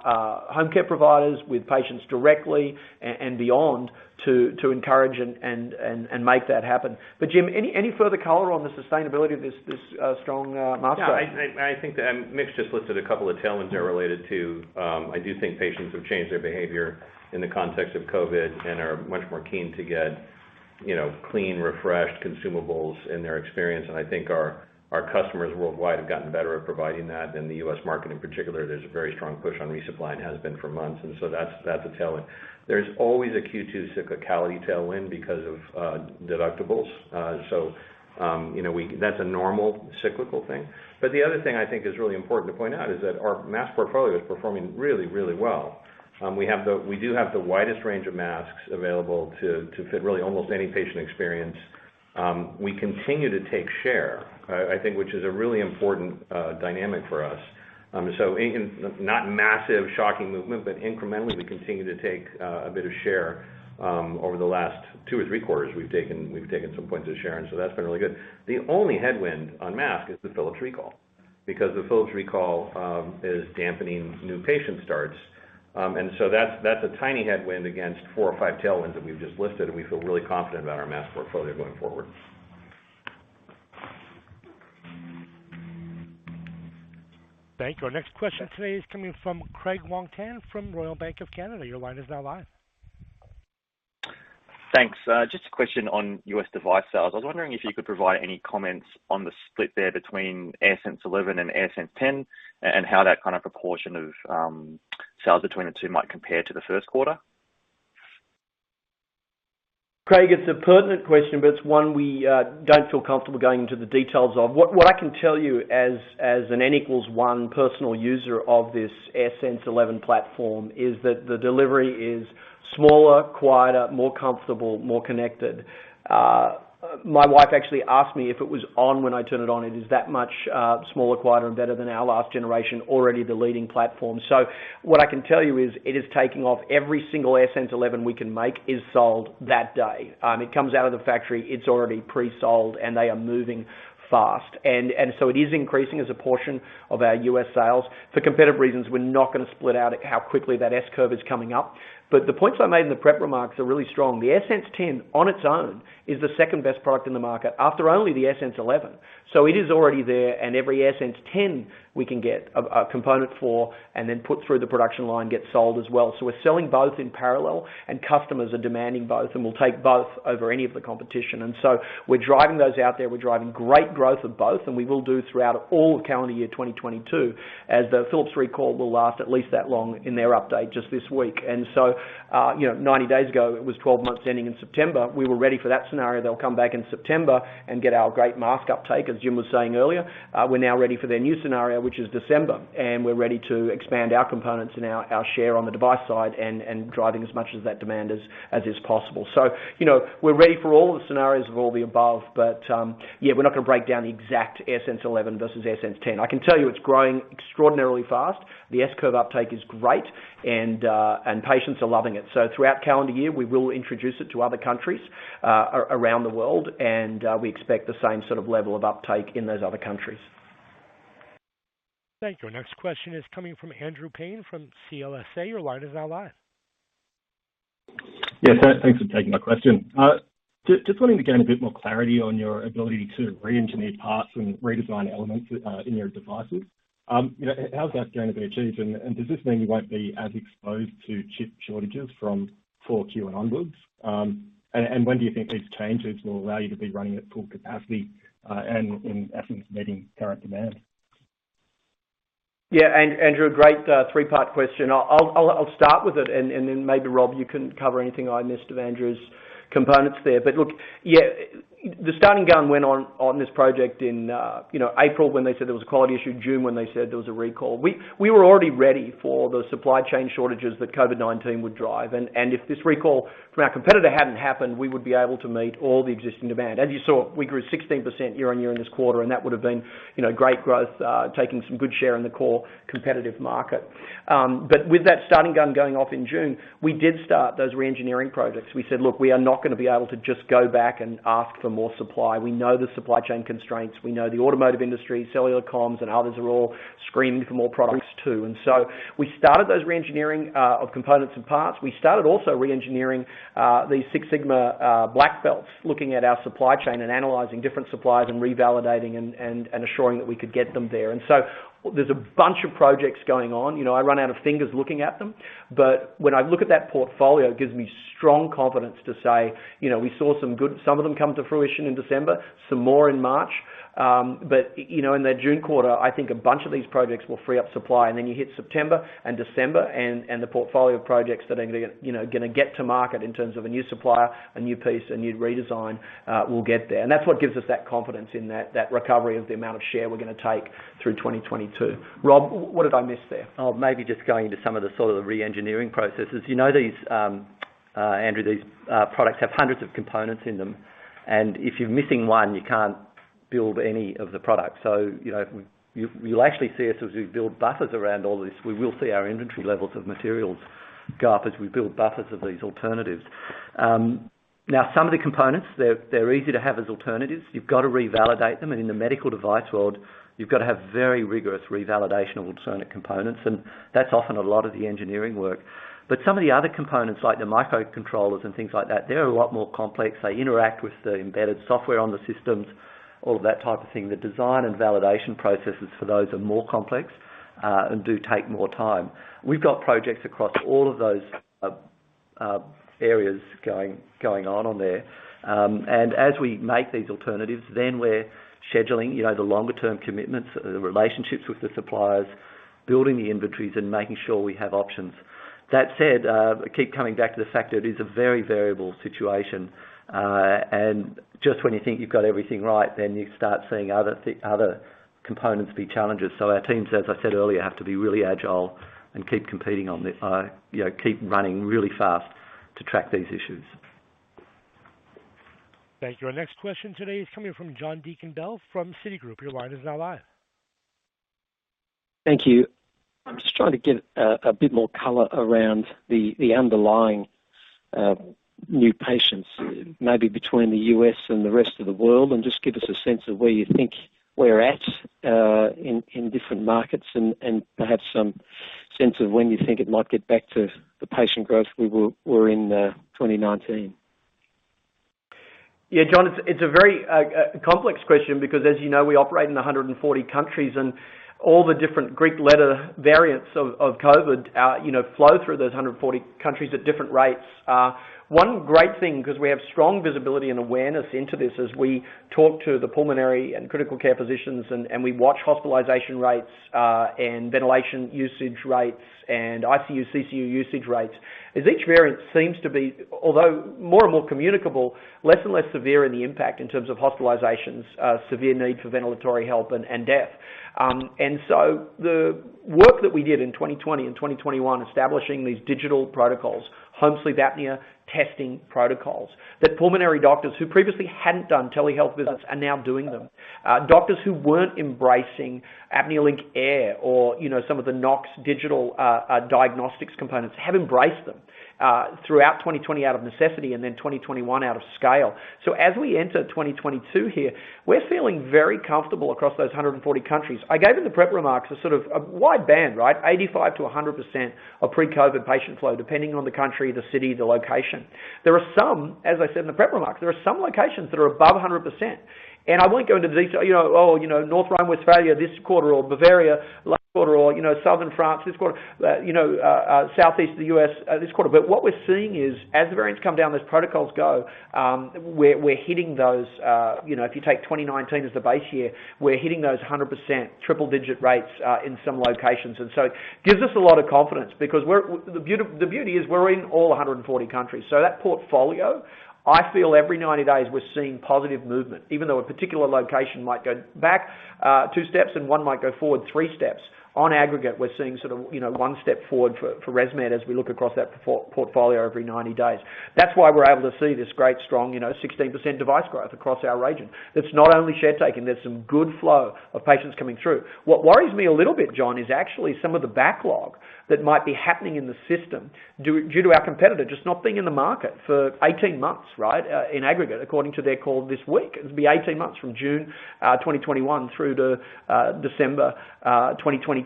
home care providers, with patients directly and beyond to encourage and make that happen. But Jim, any further color on the sustainability of this strong mask? Yeah. I think Mick's just listed a couple of tailwinds there related to. I do think patients have changed their behavior in the context of COVID and are much more keen to get, you know, clean, refreshed consumables in their experience. I think our customers worldwide have gotten better at providing that. In the U.S. market in particular, there's a very strong push on resupply and has been for months, and so that's a tailwind. There's always a Q2 cyclicality tailwind because of deductibles. You know, that's a normal cyclical thing. The other thing I think is really important to point out is that our mask portfolio is performing really, really well. We do have the widest range of masks available to fit really almost any patient experience. We continue to take share, I think, which is a really important dynamic for us. Not massive shocking movement, but incrementally, we continue to take a bit of share, over the last two or three quarters we've taken some points of share, and that's been really good. The only headwind on mask is the Philips recall. Because the Philips recall is dampening new patient starts. That's a tiny headwind against four or five tailwinds that we've just listed, and we feel really confident about our mask portfolio going forward. Thank you. Our next question today is coming from Craig Wong-Pan from Royal Bank of Canada. Your line is now live. Thanks. Just a question on U.S. device sales. I was wondering if you could provide any comments on the split there between AirSense 11 and AirSense 10, and how that kind of proportion of sales between the two might compare to the first quarter. Craig, it's a pertinent question, but it's one we don't feel comfortable going into the details of. What I can tell you as an N equals one personal user of this AirSense 11 platform is that the delivery is smaller, quieter, more comfortable, more connected. My wife actually asked me if it was on when I turn it on. It is that much smaller, quieter, and better than our last generation, already the leading platform. What I can tell you is it is taking off. Every single AirSense 11 we can make is sold that day. It comes out of the factory, it's already pre-sold, and they are moving fast. It is increasing as a portion of our U.S. sales. For competitive reasons, we're not gonna split out how quickly that S curve is coming up. The points I made in the prep remarks are really strong. The AirSense 10 on its own is the second best product in the market after only the AirSense 11. It is already there, and every AirSense 10 we can get a component for and then put through the production line gets sold as well. We're selling both in parallel, and customers are demanding both, and will take both over any of the competition. We're driving those out there. We're driving great growth of both, and we will do throughout all of calendar year 2022, as the Philips recall will last at least that long in their update just this week. Ninety days ago, it was 12 months ending in September. We were ready for that scenario. They'll come back in September and get our great mask uptake, as Jim was saying earlier. We're now ready for their new scenario, which is December, and we're ready to expand our components and our share on the device side and driving as much as that demand as is possible. You know, we're ready for all of the scenarios of all the above. Yeah, we're not gonna break down the exact AirSense 11 versus AirSense 10. I can tell you it's growing extraordinarily fast. The S-curve uptake is great and patients are loving it. Throughout calendar year, we will introduce it to other countries around the world, and we expect the same sort of level of uptake in those other countries. Thank you. Our next question is coming from Andrew Paine from CLSA. Your line is now live. Yeah. Thanks for taking my question. Just wanting to gain a bit more clarity on your ability to reengineer parts and redesign elements in your devices. You know, how's that going to be achieved? Does this mean you won't be as exposed to chip shortages from 4Q [onwards]? When do you think these changes will allow you to be running at full capacity, and I think, meeting current demand? Yeah. Andrew, great three-part question. I'll start with it and then maybe Rob, you can cover anything I missed of Andrew's comments there. Look, yeah, the starting gun went off on this project in, you know, April, when they said there was a quality issue, June, when they said there was a recall. We were already ready for the supply chain shortages that COVID-19 would drive. If this recall from our competitor hadn't happened, we would be able to meet all the existing demand. As you saw, we grew 16% year-over-year in this quarter, and that would have been, you know, great growth, taking some good share in the core competitive market. With that starting gun going off in June, we did start those reengineering projects. We said, "Look, we are not gonna be able to just go back and ask for more supply." We know the supply chain constraints. We know the automotive industry, cellular comms, and others are all screaming for more products too. We started those reengineering of components and parts. We started also reengineering these Six Sigma black belts, looking at our supply chain and analyzing different suppliers and revalidating and assuring that we could get them there. There's a bunch of projects going on. You know, I run out of fingers looking at them. But when I look at that portfolio, it gives me strong confidence to say, you know, we saw some of them come to fruition in December, some more in March. You know, in that June quarter, I think a bunch of these projects will free up supply. Then you hit September and December, and the portfolio of projects that are gonna get to market in terms of a new supplier, a new piece, a new redesign will get there. That's what gives us that confidence in that recovery of the amount of share we're gonna take through 2022. Rob, what have I missed there? Maybe just going into some of the reengineering processes. You know, Andrew, these products have hundreds of components in them. If you're missing one, you can't build any of the product. You know, you'll actually see us as we build buffers around all this. We will see our inventory levels of materials go up as we build buffers of these alternatives. Now, some of the components, they're easy to have as alternatives. You've got to revalidate them. In the medical device world, you've got to have very rigorous revalidation of certain components. That's often a lot of the engineering work. Some of the other components, like the microcontrollers and things like that, they're a lot more complex. They interact with the embedded software on the systems, all of that type of thing. The design and validation processes for those are more complex, and do take more time. We've got projects across all of those, areas going on there. As we make these alternatives, then we're scheduling, you know, the longer term commitments, the relationships with the suppliers, building the inventories, and making sure we have options. That said, I keep coming back to the fact that it is a very variable situation. Just when you think you've got everything right, then you start seeing other components be challenges. Our teams, as I said earlier, have to be really agile and keep competing on this. You know, keep running really fast to track these issues. Thank you. Our next question today is coming from John Deakin-Bell from Citigroup. Your line is now live. Thank you. I'm just trying to get a bit more color around the underlying new patients, maybe between the U.S. and the rest of the world, and just give us a sense of where you think we're at in different markets and perhaps some sense of when you think it might get back to the patient growth we were in 2019. Yeah, John, it's a very complex question because, as you know, we operate in 140 countries, and all the different Greek letter variants of COVID flow through those 140 countries at different rates. One great thing, because we have strong visibility and awareness into this as we talk to the pulmonary and critical care physicians, and we watch hospitalization rates, and ventilation usage rates and ICU, CCU usage rates, is each variant seems to be, although more and more communicable, less and less severe in the impact in terms of hospitalizations, severe need for ventilatory help, and death. The work that we did in 2020 and 2021, establishing these digital protocols, home sleep apnea testing protocols, that pulmonary doctors who previously hadn't done telehealth visits are now doing them. Doctors who weren't embracing ApneaLink Air or, you know, some of the Nox digital diagnostics components have embraced them throughout 2020 out of necessity and then 2021 out of scale. As we enter 2022 here, we're feeling very comfortable across those 140 countries. I gave in the prep remarks a sort of a wide band, right? 85%-100% of pre-COVID patient flow, depending on the country, the city, the location. There are some, as I said in the prep remarks, locations that are above 100%. I won't go into these, you know, oh, you know, North Rhine-Westphalia this quarter or Bavaria last quarter or, you know, Southern France this quarter, you know, Southeast of the U.S., this quarter. What we're seeing is as the variants come down, those protocols go, we're hitting those, you know, if you take 2019 as the base year, we're hitting those 100% triple-digit rates, in some locations. It gives us a lot of confidence because the beauty is we're in all 140 countries. That portfolio, I feel every 90 days we're seeing positive movement, even though a particular location might go back, 2 steps and one might go forward 3 steps. On aggregate, we're seeing sort of, you know, 1 step forward for ResMed as we look across that portfolio every 90 days. That's why we're able to see this great, strong, you know, 16% device growth across our region. It's not only share taking, there's some good flow of patients coming through. What worries me a little bit, John, is actually some of the backlog that might be happening in the system due to our competitor just not being in the market for 18 months, right? In aggregate, according to their call this week. It'll be 18 months from June 2021 through to December 2022.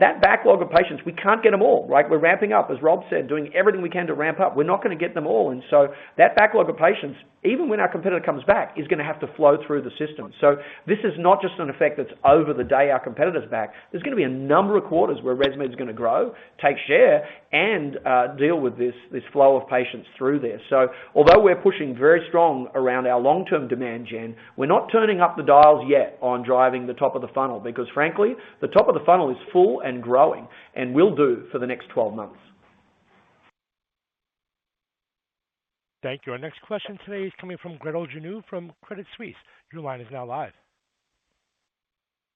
That backlog of patients, we can't get them all, right? We're ramping up, as Rob said, doing everything we can to ramp up. We're not gonna get them all. That backlog of patients, even when our competitor comes back, is gonna have to flow through the system. This is not just an effect that's over the day our competitor's back. There's gonna be a number of quarters where ResMed's gonna grow, take share, and deal with this flow of patients through there. Although we're pushing very strong around our long-term demand gen, we're not turning up the dials yet on driving the top of the funnel because frankly, the top of the funnel is full and growing and will do for the next 12 months. Thank you. Our next question today is coming from Gretel Janu from Credit Suisse. Your line is now live.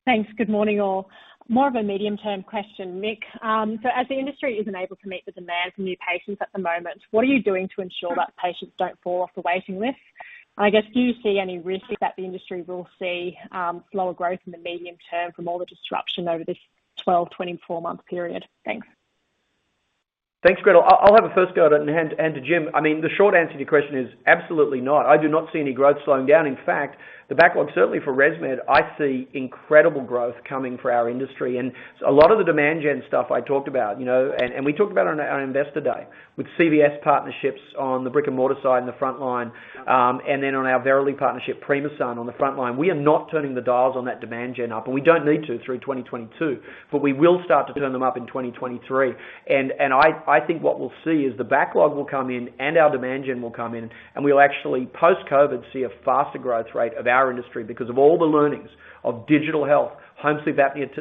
Thanks. Good morning, all. More of a medium-term question, Mick. As the industry is unable to meet the demands of new patients at the moment, what are you doing to ensure that patients don't fall off the waiting list? I guess, do you see any risk that the industry will see slower growth in the medium term from all the disruption over this 12-24 month period? Thanks. Thanks, Gretel. I'll have a first go at it and to Jim. I mean, the short answer to your question is absolutely not. I do not see any growth slowing down. In fact, the backlog, certainly for ResMed, I see incredible growth coming for our industry. A lot of the demand gen stuff I talked about, you know, and we talked about on our investor day, with CVS partnerships on the brick-and-mortar side and the front line, and then on our Verily partnership, Primasun on the front line. We are not turning the dials on that demand gen up, and we don't need to through 2022, but we will start to turn them up in 2023. I think what we'll see is the backlog will come in and our demand gen will come in, and we'll actually post-COVID see a faster growth rate of our industry because of all the learnings of digital health, home sleep apnea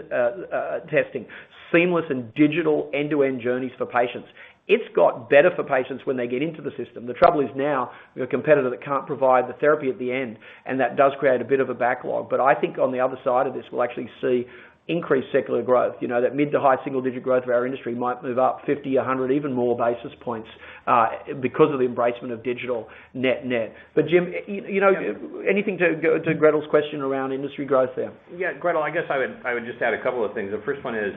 testing, seamless and digital end-to-end journeys for patients. It's got better for patients when they get into the system. The trouble is now we've a competitor that can't provide the therapy at the end, and that does create a bit of a backlog. I think on the other side of this, we'll actually see increased secular growth. You know, that mid- to high-single-digit growth of our industry might move up 50, 100, even more basis points, because of the embracement of digital net-net. Jim, you know, anything to Gretel's question around industry growth there? Yeah. Gretel, I guess I would just add a couple of things. The first one is,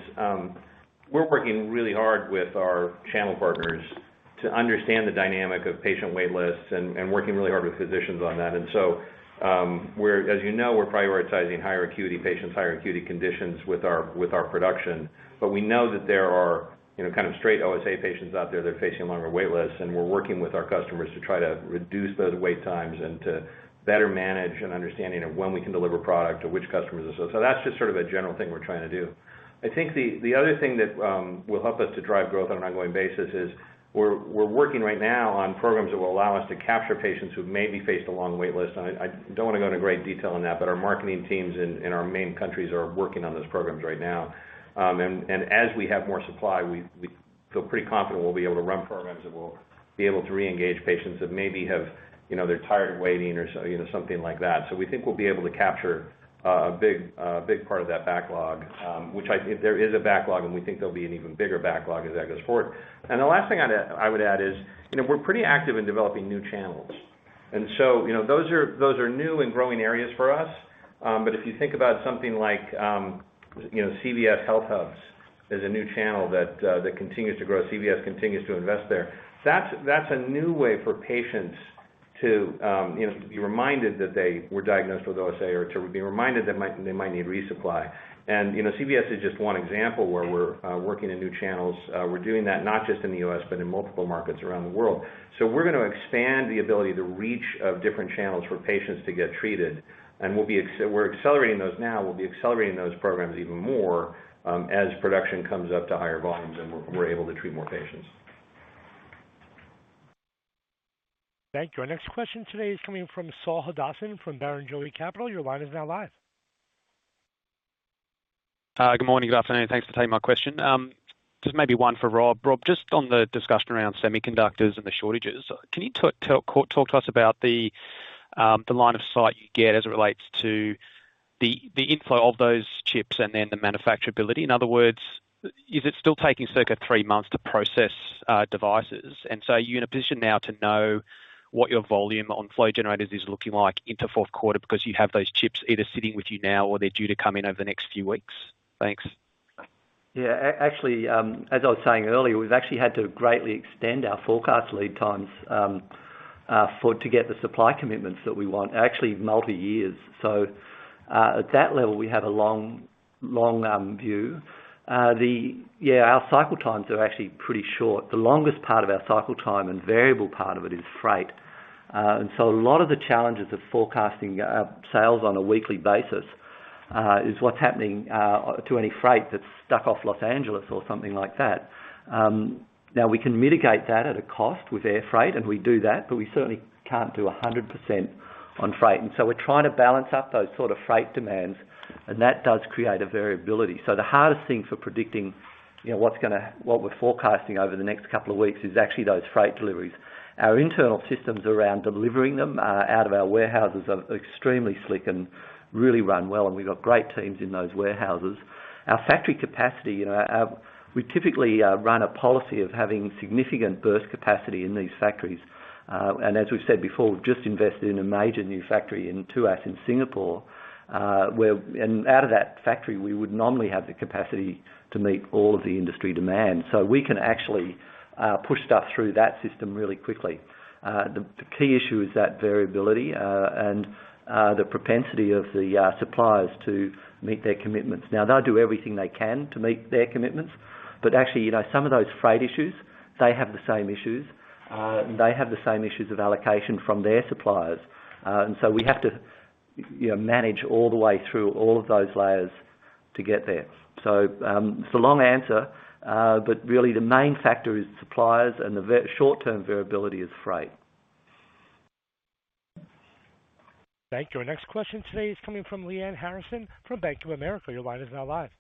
we're working really hard with our channel partners to understand the dynamic of patient wait lists and working really hard with physicians on that. As you know, we're prioritizing higher acuity patients, higher acuity conditions with our production. We know that there are, you know, kind of straight OSA patients out there that are facing longer wait lists, and we're working with our customers to try to reduce those wait times and to better manage an understanding of when we can deliver product to which customers. That's just sort of a general thing we're trying to do. I think the other thing that will help us to drive growth on an ongoing basis is we're working right now on programs that will allow us to capture patients who've maybe faced a long wait list. I don't want to go into great detail on that, but our marketing teams in our main countries are working on those programs right now. As we have more supply, we feel pretty confident we'll be able to run programs that will be able to re-engage patients that maybe have, you know, they're tired of waiting or so, you know, something like that. We think we'll be able to capture a big part of that backlog, which I think there is a backlog, and we think there'll be an even bigger backlog as that goes forward. The last thing I'd add is, you know, we're pretty active in developing new channels. You know, those are new and growing areas for us. But if you think about something like, you know, CVS HealthHUB is a new channel that continues to grow. CVS continues to invest there. That's a new way for patients to, you know, to be reminded that they were diagnosed with OSA or to be reminded they might need resupply. You know, CVS is just one example where we're working in new channels. We're doing that not just in the U.S., but in multiple markets around the world. We're gonna expand the ability, the reach of different channels for patients to get treated. We're accelerating those now. We'll be accelerating those programs even more, as production comes up to higher volumes and we're able to treat more patients. Thank you. Our next question today is coming from Saul Hadassin from Barrenjoey Capital Partners. Your line is now live. Good morning. Good afternoon. Thanks for taking my question. Just maybe one for Rob. Rob, just on the discussion around semiconductors and the shortages, can you talk to us about the line of sight you get as it relates to the inflow of those chips and then the manufacturability? In other words, is it still taking circa three months to process devices? Are you in a position now to know what your volume on flow generators is looking like into fourth quarter because you have those chips either sitting with you now or they're due to come in over the next few weeks? Thanks. Actually, as I was saying earlier, we've actually had to greatly extend our forecast lead times to get the supply commitments that we want, actually multi-years. At that level, we have a long view. Our cycle times are actually pretty short. The longest part of our cycle time and variable part of it is freight. A lot of the challenges of forecasting sales on a weekly basis is what's happening to any freight that's stuck off Los Angeles or something like that. Now we can mitigate that at a cost with air freight, and we do that, but we certainly can't do 100% on freight. We're trying to balance up those sort of freight demands, and that does create a variability. The hardest thing for predicting, you know, what we're forecasting over the next couple of weeks is actually those freight deliveries. Our internal systems around delivering them out of our warehouses are extremely slick and really run well, and we've got great teams in those warehouses. Our factory capacity, you know, we typically run a policy of having significant burst capacity in these factories. As we've said before, we've just invested in a major new factory in Tuas in Singapore, where out of that factory, we would normally have the capacity to meet all of the industry demand. We can actually push stuff through that system really quickly. The key issue is that variability and the propensity of the suppliers to meet their commitments. Now, they'll do everything they can to meet their commitments, but actually, you know, some of those freight issues, they have the same issues of allocation from their suppliers. We have to, you know, manage all the way through all of those layers to get there. It's a long answer, but really the main factor is suppliers, and the short-term variability is freight. Thank you. Our next question today is coming from Lyanne Harrison from Bank of America. Your line is now live.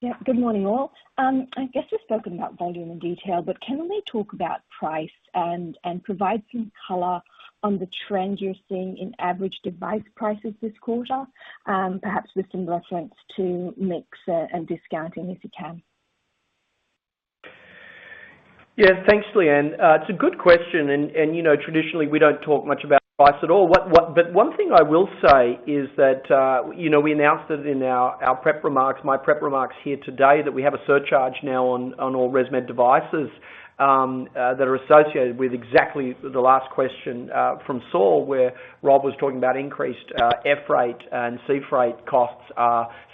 Yeah. Good morning, all. I guess you've spoken about volume in detail, but can we talk about price and provide some color on the trend you're seeing in average device prices this quarter, perhaps with some reference to mix and discounting, if you can. Yeah. Thanks, Lyanne. It's a good question and, you know, traditionally we don't talk much about price at all. One thing I will say is that, you know, we announced it in our prep remarks, my prep remarks here today, that we have a surcharge now on all ResMed devices that are associated with exactly the last question from Saul, where Rob was talking about increased air freight and sea freight costs.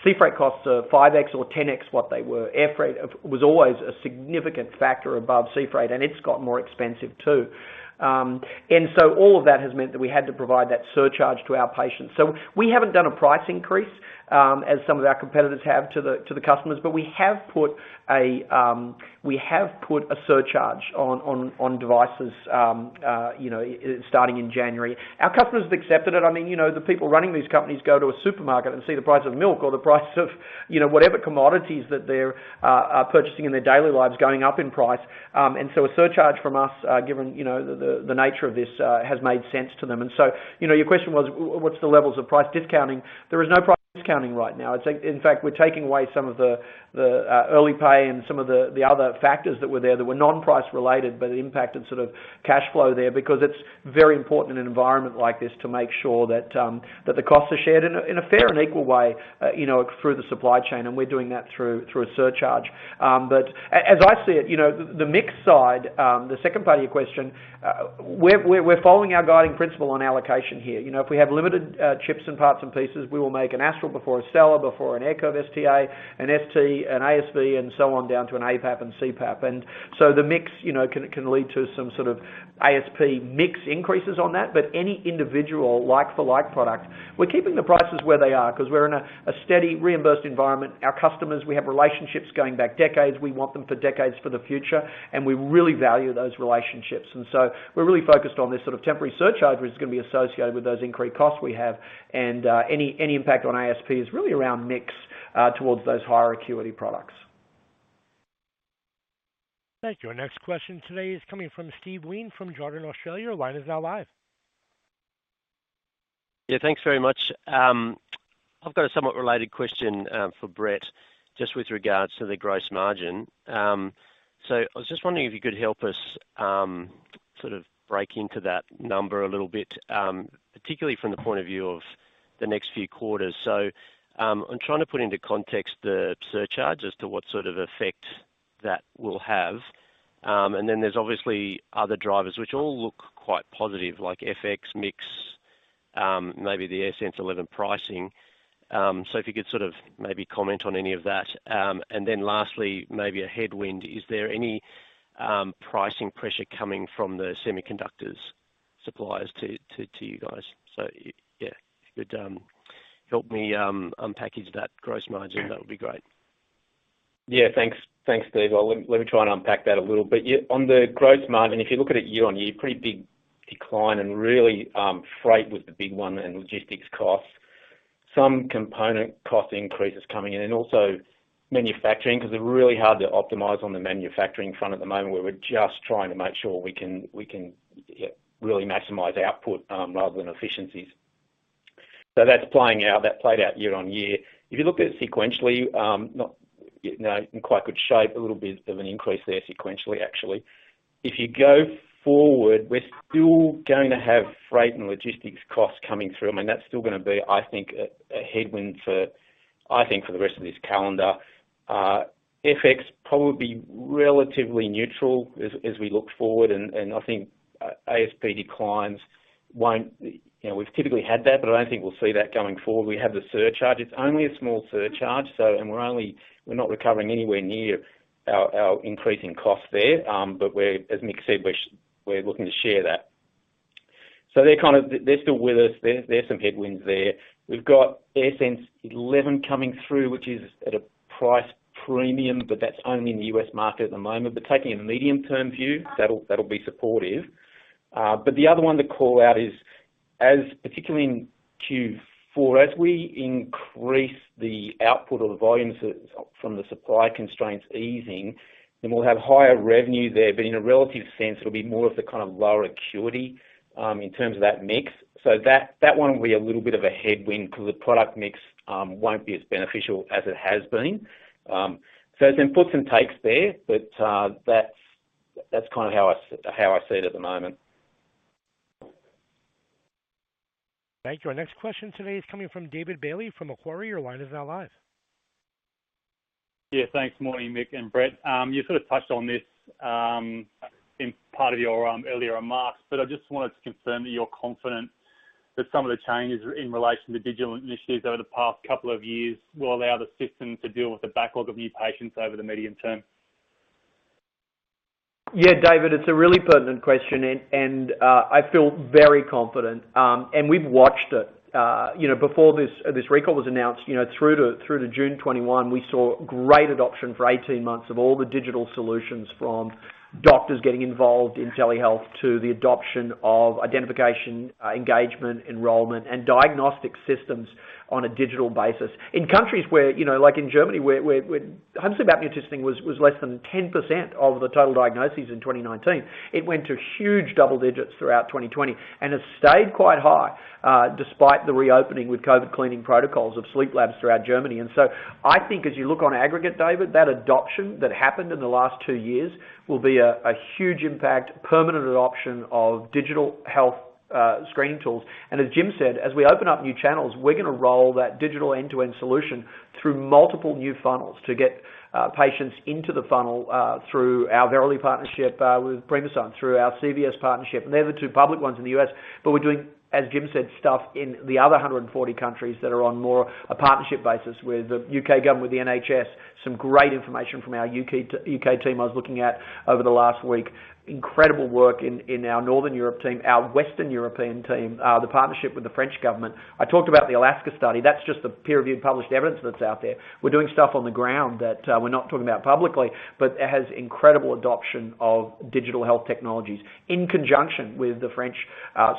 Sea freight costs are 5x or 10x what they were. Air freight was always a significant factor above sea freight, and it's got more expensive too. All of that has meant that we had to provide that surcharge to our patients. We haven't done a price increase, as some of our competitors have to the customers, but we have put a surcharge on devices, you know, starting in January. Our customers have accepted it. I mean, you know, the people running these companies go to a supermarket and see the price of milk or the price of, you know, whatever commodities that they're purchasing in their daily lives going up in price. A surcharge from us, given, you know, the nature of this, has made sense to them. You know, your question was what's the levels of price discounting? There is no price discounting right now. It's like, in fact, we're taking away some of the early pay and some of the other factors that were there that were non-price related, but impacted sort of cash flow there, because it's very important in an environment like this to make sure that the costs are shared in a fair and equal way, you know, through the supply chain. We're doing that through a surcharge. But as I see it, you know, the mix side, the second part of your question, we're following our guiding principle on allocation here. You know, if we have limited chips and parts and pieces, we will make an Astral before a Stellar, before an AirCurve ST-A, an ST, an ASV, and so on down to an APAP and CPAP. The mix, you know, can lead to some sort of ASP mix increases on that. Any individual like-for-like product, we're keeping the prices where they are because we're in a steady reimbursed environment. Our customers, we have relationships going back decades. We want them for decades for the future, and we really value those relationships. We're really focused on this sort of temporary surcharge, which is gonna be associated with those increased costs we have. Any impact on ASP is really around mix, towards those higher acuity products. Thank you. Our next question today is coming from Steve Wheen from Jarden Australia. Your line is now live. Yeah, thanks very much. I've got a somewhat related question for Brett, just with regards to the gross margin. I was just wondering if you could help us sort of break into that number a little bit, particularly from the point of view of the next few quarters. I'm trying to put into context the surcharge as to what sort of effect that will have. And then there's obviously other drivers which all look quite positive, like FX mix, maybe the AirSense 11 pricing. If you could sort of maybe comment on any of that. And then lastly, maybe a headwind. Is there any pricing pressure coming from the semiconductor suppliers to you guys? Yeah, if you could help me unpack that gross margin, that would be great. Yeah, thanks. Thanks, Steve. Let me try and unpack that a little bit. Yeah, on the gross margin, if you look at it year on year, pretty big decline and really, freight was the big one and logistics costs. Some component cost increases coming in and also manufacturing, 'cause they're really hard to optimize on the manufacturing front at the moment. We're just trying to make sure we can really maximize output, rather than efficiencies. So that's playing out. That played out year on year. If you look at it sequentially, now, you know, in quite good shape, a little bit of an increase there sequentially, actually. If you go forward, we're still going to have freight and logistics costs coming through. I mean, that's still gonna be, I think, a headwind for, I think, for the rest of this calendar. FX probably relatively neutral as we look forward, and I think ASP declines won't, you know, we've typically had that, but I don't think we'll see that going forward. We have the surcharge. It's only a small surcharge, so we're not recovering anywhere near our increasing costs there. As Mick said, we're looking to share that. They're kind of still with us. There are some headwinds there. We've got AirSense 11 coming through, which is at a price premium, but that's only in the U.S. market at the moment. Taking a medium-term view, that'll be supportive. The other one to call out is, particularly in Q4, as we increase the output or the volumes from the supply constraints easing, then we'll have higher revenue there. In a relative sense, it'll be more of the kind of lower acuity in terms of that mix. That one will be a little bit of a headwind because the product mix won't be as beneficial as it has been. There's inputs and takes there, but that's kind of how I see it at the moment. Thank you. Our next question today is coming from David Bailey from Macquarie. Your line is now live. Yeah, thanks. Morning, Mick and Brett. You sort of touched on this in part of your earlier remarks, but I just wanted to confirm that you're confident that some of the changes in relation to digital initiatives over the past couple of years will allow the system to deal with the backlog of new patients over the medium term? Yeah, David, it's a really pertinent question, and I feel very confident. We've watched it, you know, before this recall was announced, you know, through to June 2021, we saw great adoption for 18 months of all the digital solutions, from doctors getting involved in telehealth to the adoption of identification, engagement, enrollment, and diagnostic systems on a digital basis. In countries where, you know, like in Germany, where home sleep apnea testing was less than 10% of the total diagnoses in 2019. It went to huge double digits throughout 2020 and has stayed quite high, despite the reopening with COVID cleaning protocols of sleep labs throughout Germany. I think as you look on aggregate, David, that adoption that happened in the last two years will be a huge impact, permanent adoption of digital health screening tools. As Jim said, as we open up new channels, we're gonna roll that digital end-to-end solution through multiple new funnels to get patients into the funnel through our Verily partnership with Primasun, through our CVS partnership. They're the two public ones in the U.S. We're doing, as Jim said, stuff in the other 140 countries that are on more a partnership basis with the U.K. government, with the NHS. Some great information from our U.K. team I was looking at over the last week. Incredible work in our Northern Europe team. Our Western European team, the partnership with the French government. I talked about the ALASKA study. That's just the peer-reviewed published evidence that's out there. We're doing stuff on the ground that we're not talking about publicly, but it has incredible adoption of digital health technologies in conjunction with the French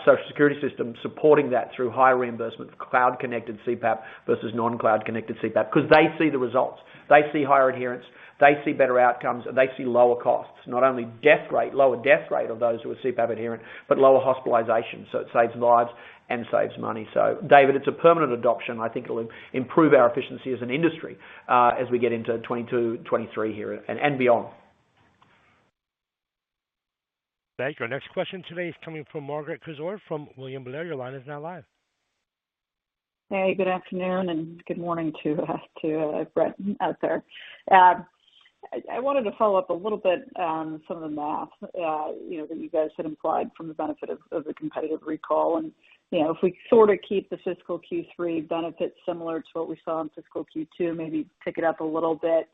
social security system supporting that through higher reimbursement, cloud-connected CPAP versus non-cloud connected CPAP, 'cause they see the results. They see higher adherence, they see better outcomes, and they see lower costs. Not only death rate, lower death rate of those who are CPAP adherent, but lower hospitalization. David, it's a permanent adoption. I think it'll improve our efficiency as an industry, as we get into 2022, 2023 here and beyond. Thank you. Our next question today is coming from Margaret Kaczor from William Blair. Your line is now live. Hey, good afternoon and good morning to Brett out there. I wanted to follow up a little bit on some of the math, you know, that you guys had implied from the benefit of the competitive recall. You know, if we sort of keep the fiscal Q3 benefits similar to what we saw in fiscal Q2, maybe pick it up a little bit,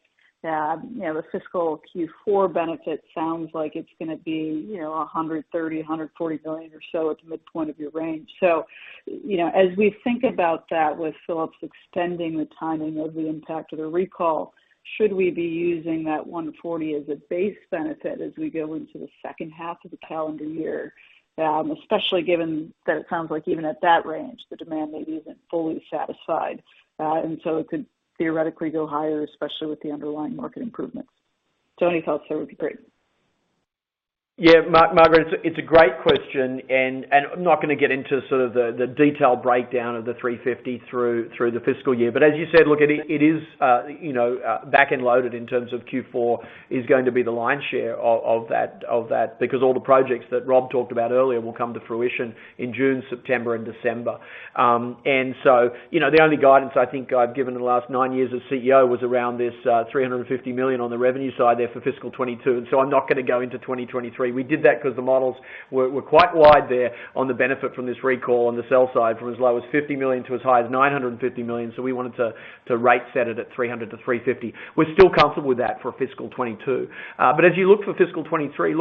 you know, the fiscal Q4 benefit sounds like it's gonna be, you know, $130-$140 million or so at the midpoint of your range. You know, as we think about that with Philips extending the timing of the impact of the recall, should we be using that $140 million as a base benefit as we go into the second half of the calendar year? Especially given that it sounds like even at that range, the demand may be even fully satisfied. It could theoretically go higher, especially with the underlying market improvements. Any thoughts there would be great. Margaret, it's a great question, and I'm not gonna get into the detailed breakdown of the 350 through the fiscal year. As you said, look, it is, you know, back-end loaded in terms of Q4 is going to be the lion's share of that, because all the projects that Rob talked about earlier will come to fruition in June, September and December. You know, the only guidance I think I've given in the last nine years as CEO was around this $350 million on the revenue side there for fiscal 2022. I'm not gonna go into 2023. We did that 'cause the models were quite wide there on the benefit from this recall on the sell side from as low as $50 million to as high as $950 million. We wanted to reset it at $300-$350 million. We're still comfortable with that for fiscal 2022. But as you look for fiscal 2023,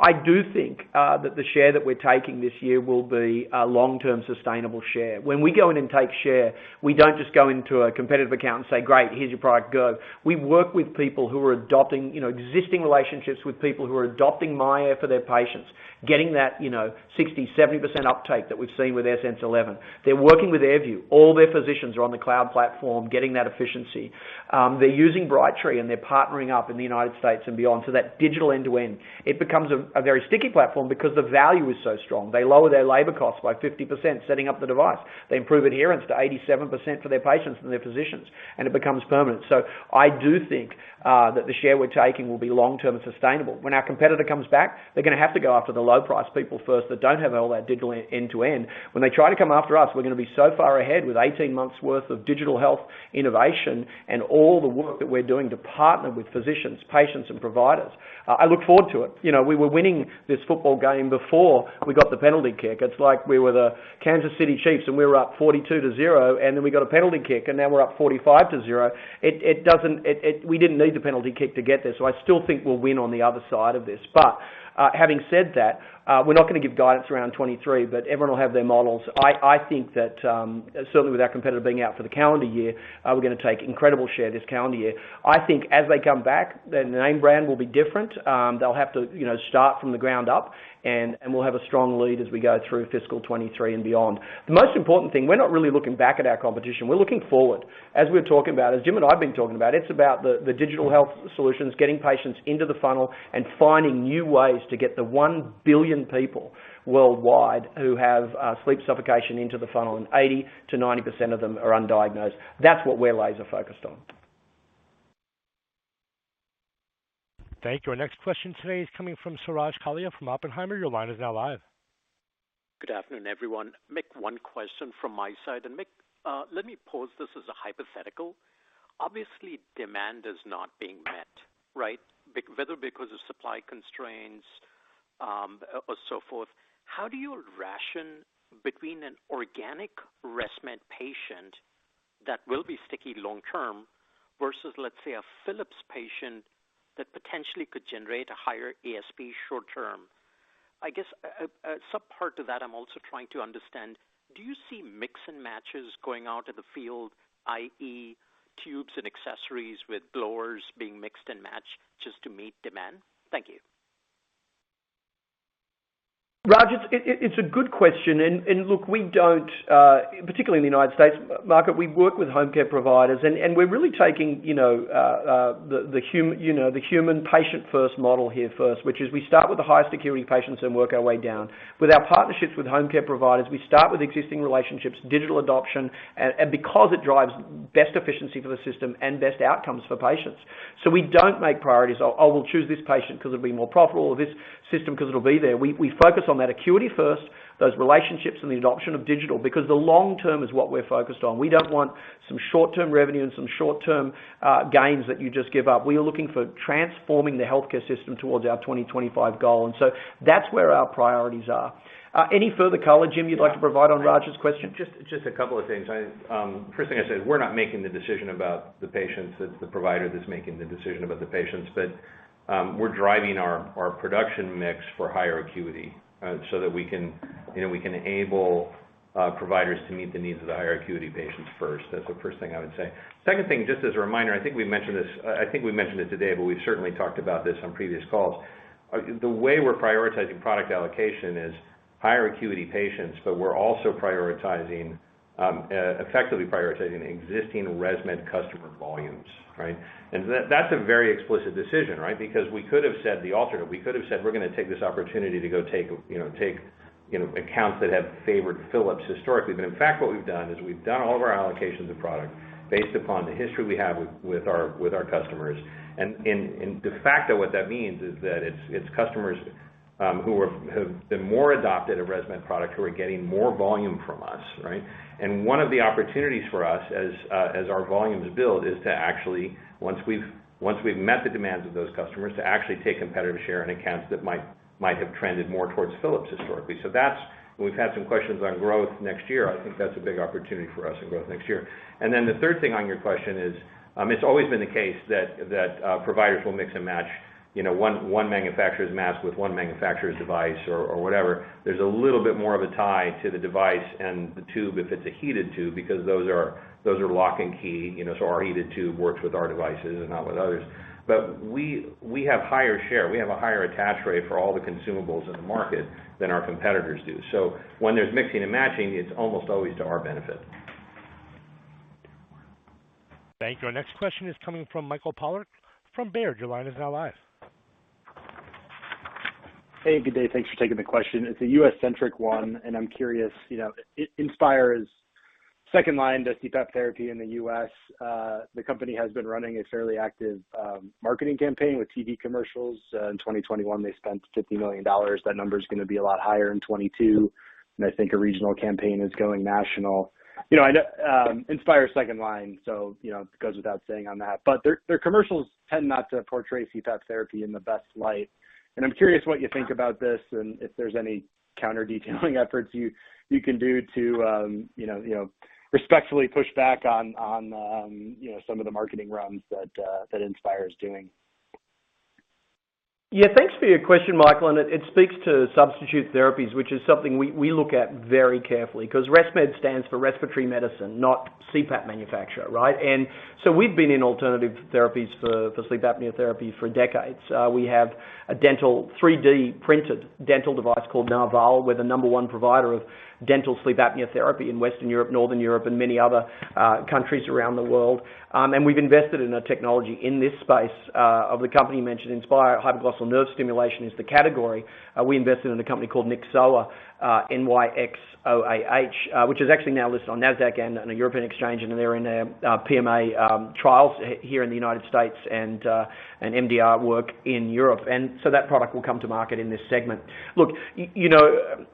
I do think that the share that we're taking this year will be a long-term sustainable share. When we go in and take share, we don't just go into a competitive account and say, "Great, here's your product. Go." We work with people who are adopting, you know, existing relationships with people who are adopting myAir for their patients, getting that, you know, 60%-70% uptake that we've seen with AirSense 11. They're working with AirView. All their physicians are on the cloud platform getting that efficiency. They're using Brightree, and they're partnering up in the United States and beyond. That digital end-to-end, it becomes a very sticky platform because the value is so strong. They lower their labor costs by 50% setting up the device. They improve adherence to 87% for their patients and their physicians, and it becomes permanent. I do think that the share we're taking will be long-term and sustainable. When our competitor comes back, they're gonna have to go after the low price people first that don't have all that digital end-to-end. When they try to come after us, we're gonna be so far ahead with 18 months' worth of digital health innovation and all the work that we're doing to partner with physicians, patients, and providers. I look forward to it. You know, we were winning this football game before we got the penalty kick. It's like we were the Kansas City Chiefs, and we were up 42-0, and then we got a penalty kick, and now we're up 45-0. It doesn't. We didn't need the penalty kick to get there. I still think we'll win on the other side of this. Having said that, we're not gonna give guidance around 2023, but everyone will have their models. I think that certainly with our competitor being out for the calendar year, we're gonna take incredible share this calendar year. I think as they come back, the name brand will be different. They'll have to, you know, start from the ground up, and we'll have a strong lead as we go through fiscal 2023 and beyond. The most important thing, we're not really looking back at our competition. We're looking forward. As we're talking about, as Jim and I have been talking about, it's about the digital health solutions, getting patients into the funnel and finding new ways to get the 1 billion people worldwide who have sleep apnea into the funnel, and 80%-90% of them are undiagnosed. That's what we're laser focused on. Thank you. Our next question today is coming from Suraj Kalia from Oppenheimer. Your line is now live. Good afternoon, everyone. Mick, one question from my side. Mick, let me pose this as a hypothetical. Obviously, demand is not being met, right? Whether because of supply constraints, or so forth. How do you ration between an organic ResMed patient That will be sticky long term versus, let's say, a Philips patient that potentially could generate a higher ASP short term. I guess, a sub part to that I'm also trying to understand, do you see mix and matches going out in the field, i.e., tubes and accessories with blowers being mixed and matched just to meet demand? Thank you. Suraj, it's a good question and look, we don't particularly in the United States market, we work with home care providers and we're really taking, you know, the human patient first model here first, which is we start with the highest acuity patients and work our way down. With our partnerships with home care providers, we start with existing relationships, digital adoption, and because it drives best efficiency for the system and best outcomes for patients. We don't make priorities. Oh, we'll choose this patient because it'll be more profitable or this system because it'll be there. We focus on that acuity first, those relationships and the adoption of digital, because the long term is what we're focused on. We don't want some short-term revenue and some short-term gains that you just give up. We are looking for transforming the healthcare system towards our 2025 goal, and so that's where our priorities are. Any further color, Jim, you'd like to provide on Suraj's question? Just a couple of things. First thing I said, we're not making the decision about the patients, it's the provider that's making the decision about the patients. We're driving our production mix for higher acuity, so that we can, you know, we can enable providers to meet the needs of the higher acuity patients first. That's the first thing I would say. Second thing, just as a reminder, I think we mentioned this, I think we mentioned it today, but we've certainly talked about this on previous calls. The way we're prioritizing product allocation is higher acuity patients, but we're also prioritizing, effectively prioritizing existing ResMed customer volumes, right? That's a very explicit decision, right? Because we could have said the alternate. We could have said, we're gonna take this opportunity to take accounts that have favored Philips historically. In fact, what we've done is we've done all of our allocations of product based upon the history we have with our customers. De facto, what that means is that it's customers who have been more adopted of ResMed products who are getting more volume from us, right? One of the opportunities for us as our volumes build is to actually, once we've met the demands of those customers, to actually take competitive share in accounts that might have trended more towards Philips historically. We've had some questions on growth next year. I think that's a big opportunity for us in growth next year. The third thing on your question is, it's always been the case that providers will mix and match, you know, one manufacturer's mask with one manufacturer's device or whatever. There's a little bit more of a tie to the device and the tube if it's a heated tube, because those are lock and key, you know. Our heated tube works with our devices and not with others. We have higher share. We have a higher attach rate for all the consumables in the market than our competitors do. When there's mixing and matching, it's almost always to our benefit. Thank you. Our next question is coming from Michael Polark from Baird. Your line is now live. Hey, good day. Thanks for taking the question. It's a U.S.-centric one, and I'm curious, you know. Inspire's second line to CPAP therapy in the U.S., the company has been running a fairly active marketing campaign with TV commercials. In 2021, they spent $50 million. That number is gonna be a lot higher in 2022, and I think a regional campaign is going national. You know, I know, Inspire's second line, so, you know, it goes without saying on that. But their commercials tend not to portray CPAP therapy in the best light. I'm curious what you think about this and if there's any counter-detailing efforts you can do to, you know, respectfully push back on, you know, some of the marketing runs that Inspire is doing. Yeah, thanks for your question, Michael, and it speaks to substitute therapies, which is something we look at very carefully 'cause ResMed stands for respiratory medicine, not CPAP manufacturer, right? We've been in alternative therapies for sleep apnea therapy for decades. We have a dental 3D printed dental device called Narval. We're the number one provider of dental sleep apnea therapy in Western Europe, Northern Europe, and many other countries around the world. We've invested in a technology in this space of the company you mentioned, Inspire. Hypoglossal nerve stimulation is the category. We invested in a company called Nyxoah, which is actually now listed on NASDAQ and a European exchange, and they're in PMA trials here in the United States and MDR work in Europe. That product will come to market in this segment. Look, you know,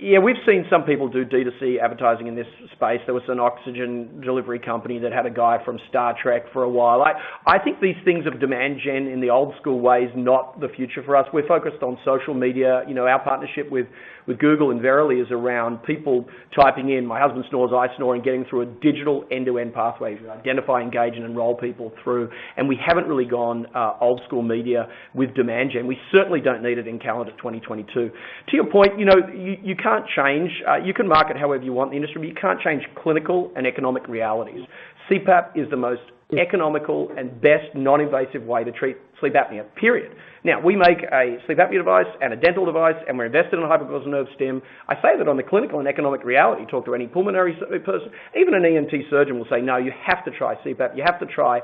yeah, we've seen some people do D2C advertising in this space. There was an oxygen delivery company that had a guy from Star Trek for a while. I think these things of demand gen in the old school way is not the future for us. We're focused on social media. You know, our partnership with Google and Verily is around people typing in, "My husband snores, I snore," and getting through a digital end-to-end pathway to identify, engage, and enroll people through. We haven't really gone old school media with demand gen. We certainly don't need it in calendar 2022. To your point, you know, you can't change, you can market however you want in the industry, but you can't change clinical and economic realities. CPAP is the most economical and best non-invasive way to treat sleep apnea, period. Now, we make a sleep apnea device and a dental device, and we're invested in a hypoglossal nerve stim. I say that on the clinical and economic reality. Talk to any pulmonary person, even an ENT surgeon will say, "No, you have to try CPAP. You have to try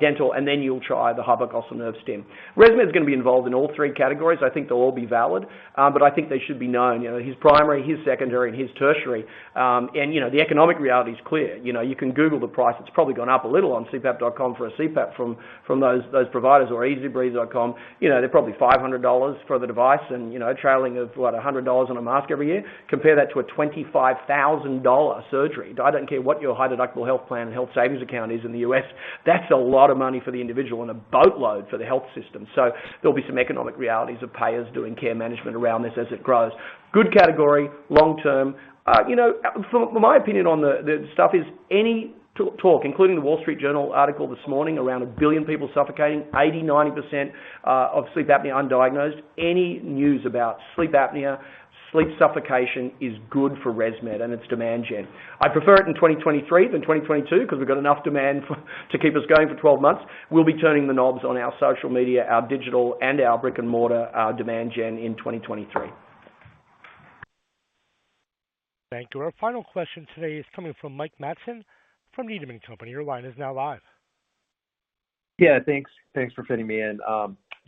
dental, and then you'll try the hypoglossal nerve stim." ResMed's gonna be involved in all three categories. I think they'll all be valid, but I think they should be known, you know, here's primary, here's secondary, and here's tertiary. You know, the economic reality is clear. You know, you can Google the price. It's probably gone up a little on cpap.com for a CPAP from those providers or easybreathe.com. You know, they're probably $500 for the device and, you know, trailing of what? $100 on a mask every year. Compare that to a $25,000 surgery. I don't care what your high deductible health plan and health savings account is in the U.S., that's a lot of money for the individual and a boatload for the health system. There'll be some economic realities of payers doing care management around this as it grows. Good category, long term. You know, in my opinion on the stuff is any talk, including the Wall Street Journal article this morning, around 1 billion people suffocating, 80%-90% of sleep apnea undiagnosed. Any news about sleep apnea, sleep suffocation is good for ResMed and it's demand gen. I prefer it in 2023 than 2022, 'cause we've got enough demand for, to keep us going for 12 months. We'll be turning the knobs on our social media, our digital, and our brick-and-mortar, our demand gen in 2023. Thank you. Our final question today is coming from Mike Matson from Needham & Company. Your line is now live. Yeah. Thanks for fitting me in.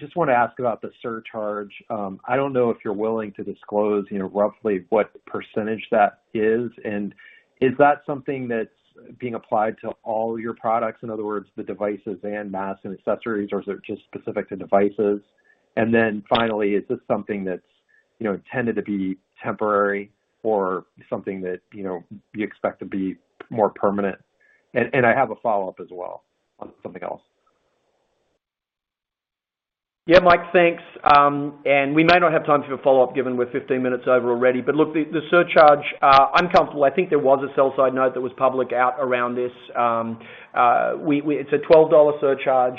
Just wanna ask about the surcharge. I don't know if you're willing to disclose, you know, roughly what percentage that is, and is that something that's being applied to all your products? In other words, the devices and masks and accessories, or is it just specific to devices? Then finally, is this something that's, you know, intended to be temporary or something that, you know, you expect to be more permanent? I have a follow-up as well on something else. Yeah, Mike, thanks. We may not have time for a follow-up given we're 15 minutes over already. Look, the surcharge uncomfortable. I think there was a sell-side note that was publicly out around this. It's a $12 surcharge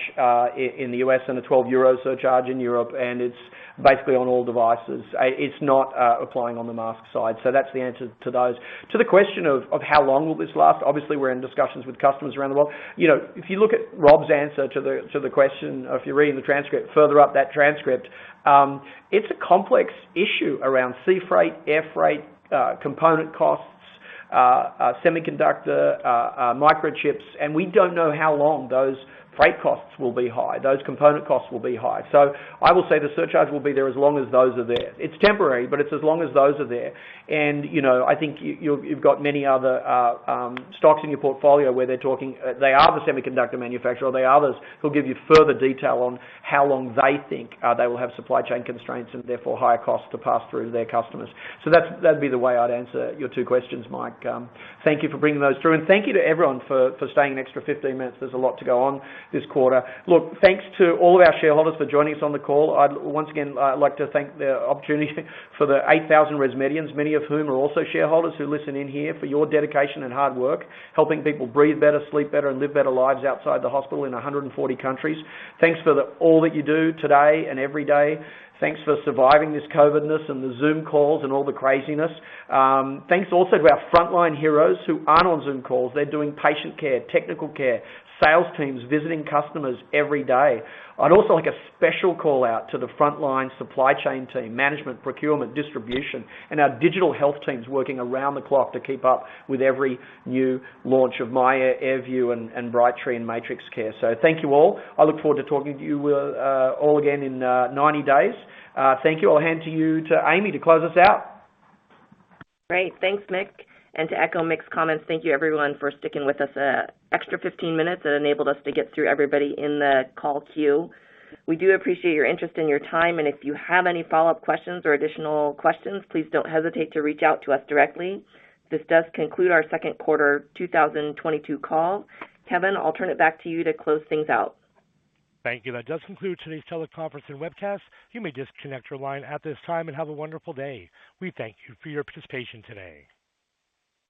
in the U.S. and a 12 euro surcharge in Europe, and it's basically on all devices. It's not applying on the mask side. That's the answer to those. To the question of how long will this last, obviously, we're in discussions with customers around the world. If you look at Rob's answer to the question, or if you're reading the transcript further up that transcript, it's a complex issue around sea freight, air freight, component costs, semiconductor, microchips. We don't know how long those freight costs will be high, those component costs will be high. I will say the surcharge will be there as long as those are there. It's temporary, but it's as long as those are there. I think you've got many other stocks in your portfolio where they're talking, they are the semiconductor manufacturer or they are others who'll give you further detail on how long they think they will have supply chain constraints and therefore higher costs to pass through to their customers. That's, that'd be the way I'd answer your two questions, Mike. Thank you for bringing those through. Thank you to everyone for staying an extra 15 minutes. There's a lot to go on this quarter. Look, thanks to all of our shareholders for joining us on the call. I'd like to take the opportunity to thank the 8,000 ResMedians, many of whom are also shareholders, who listen in here for your dedication and hard work, helping people breathe better, sleep better, and live better lives outside the hospital in 140 countries. Thanks for all that you do today and every day. Thanks for surviving this COVID-ness and the Zoom calls and all the craziness. Thanks also to our frontline heroes who aren't on Zoom calls. They're doing patient care, technical care, sales teams, visiting customers every day. I'd also like a special call-out to the frontline supply chain team, management, procurement, distribution, and our digital health teams working around the clock to keep up with every new launch of myAir, AirView, Brightree, and MatrixCare. Thank you all. I look forward to talking to you all again in 90 days. Thank you. I'll hand it over to Amy to close us out. Great. Thanks, Mick. To echo Mick's comments, thank you everyone for sticking with us an extra 15 minutes. That enabled us to get through everybody in the call queue. We do appreciate your interest and your time, and if you have any follow-up questions or additional questions, please don't hesitate to reach out to us directly. This does conclude our second quarter 2022 call. Kevin, I'll turn it back to you to close things out. Thank you. That does conclude today's teleconference and webcast. You may disconnect your line at this time, and have a wonderful day. We thank you for your participation today.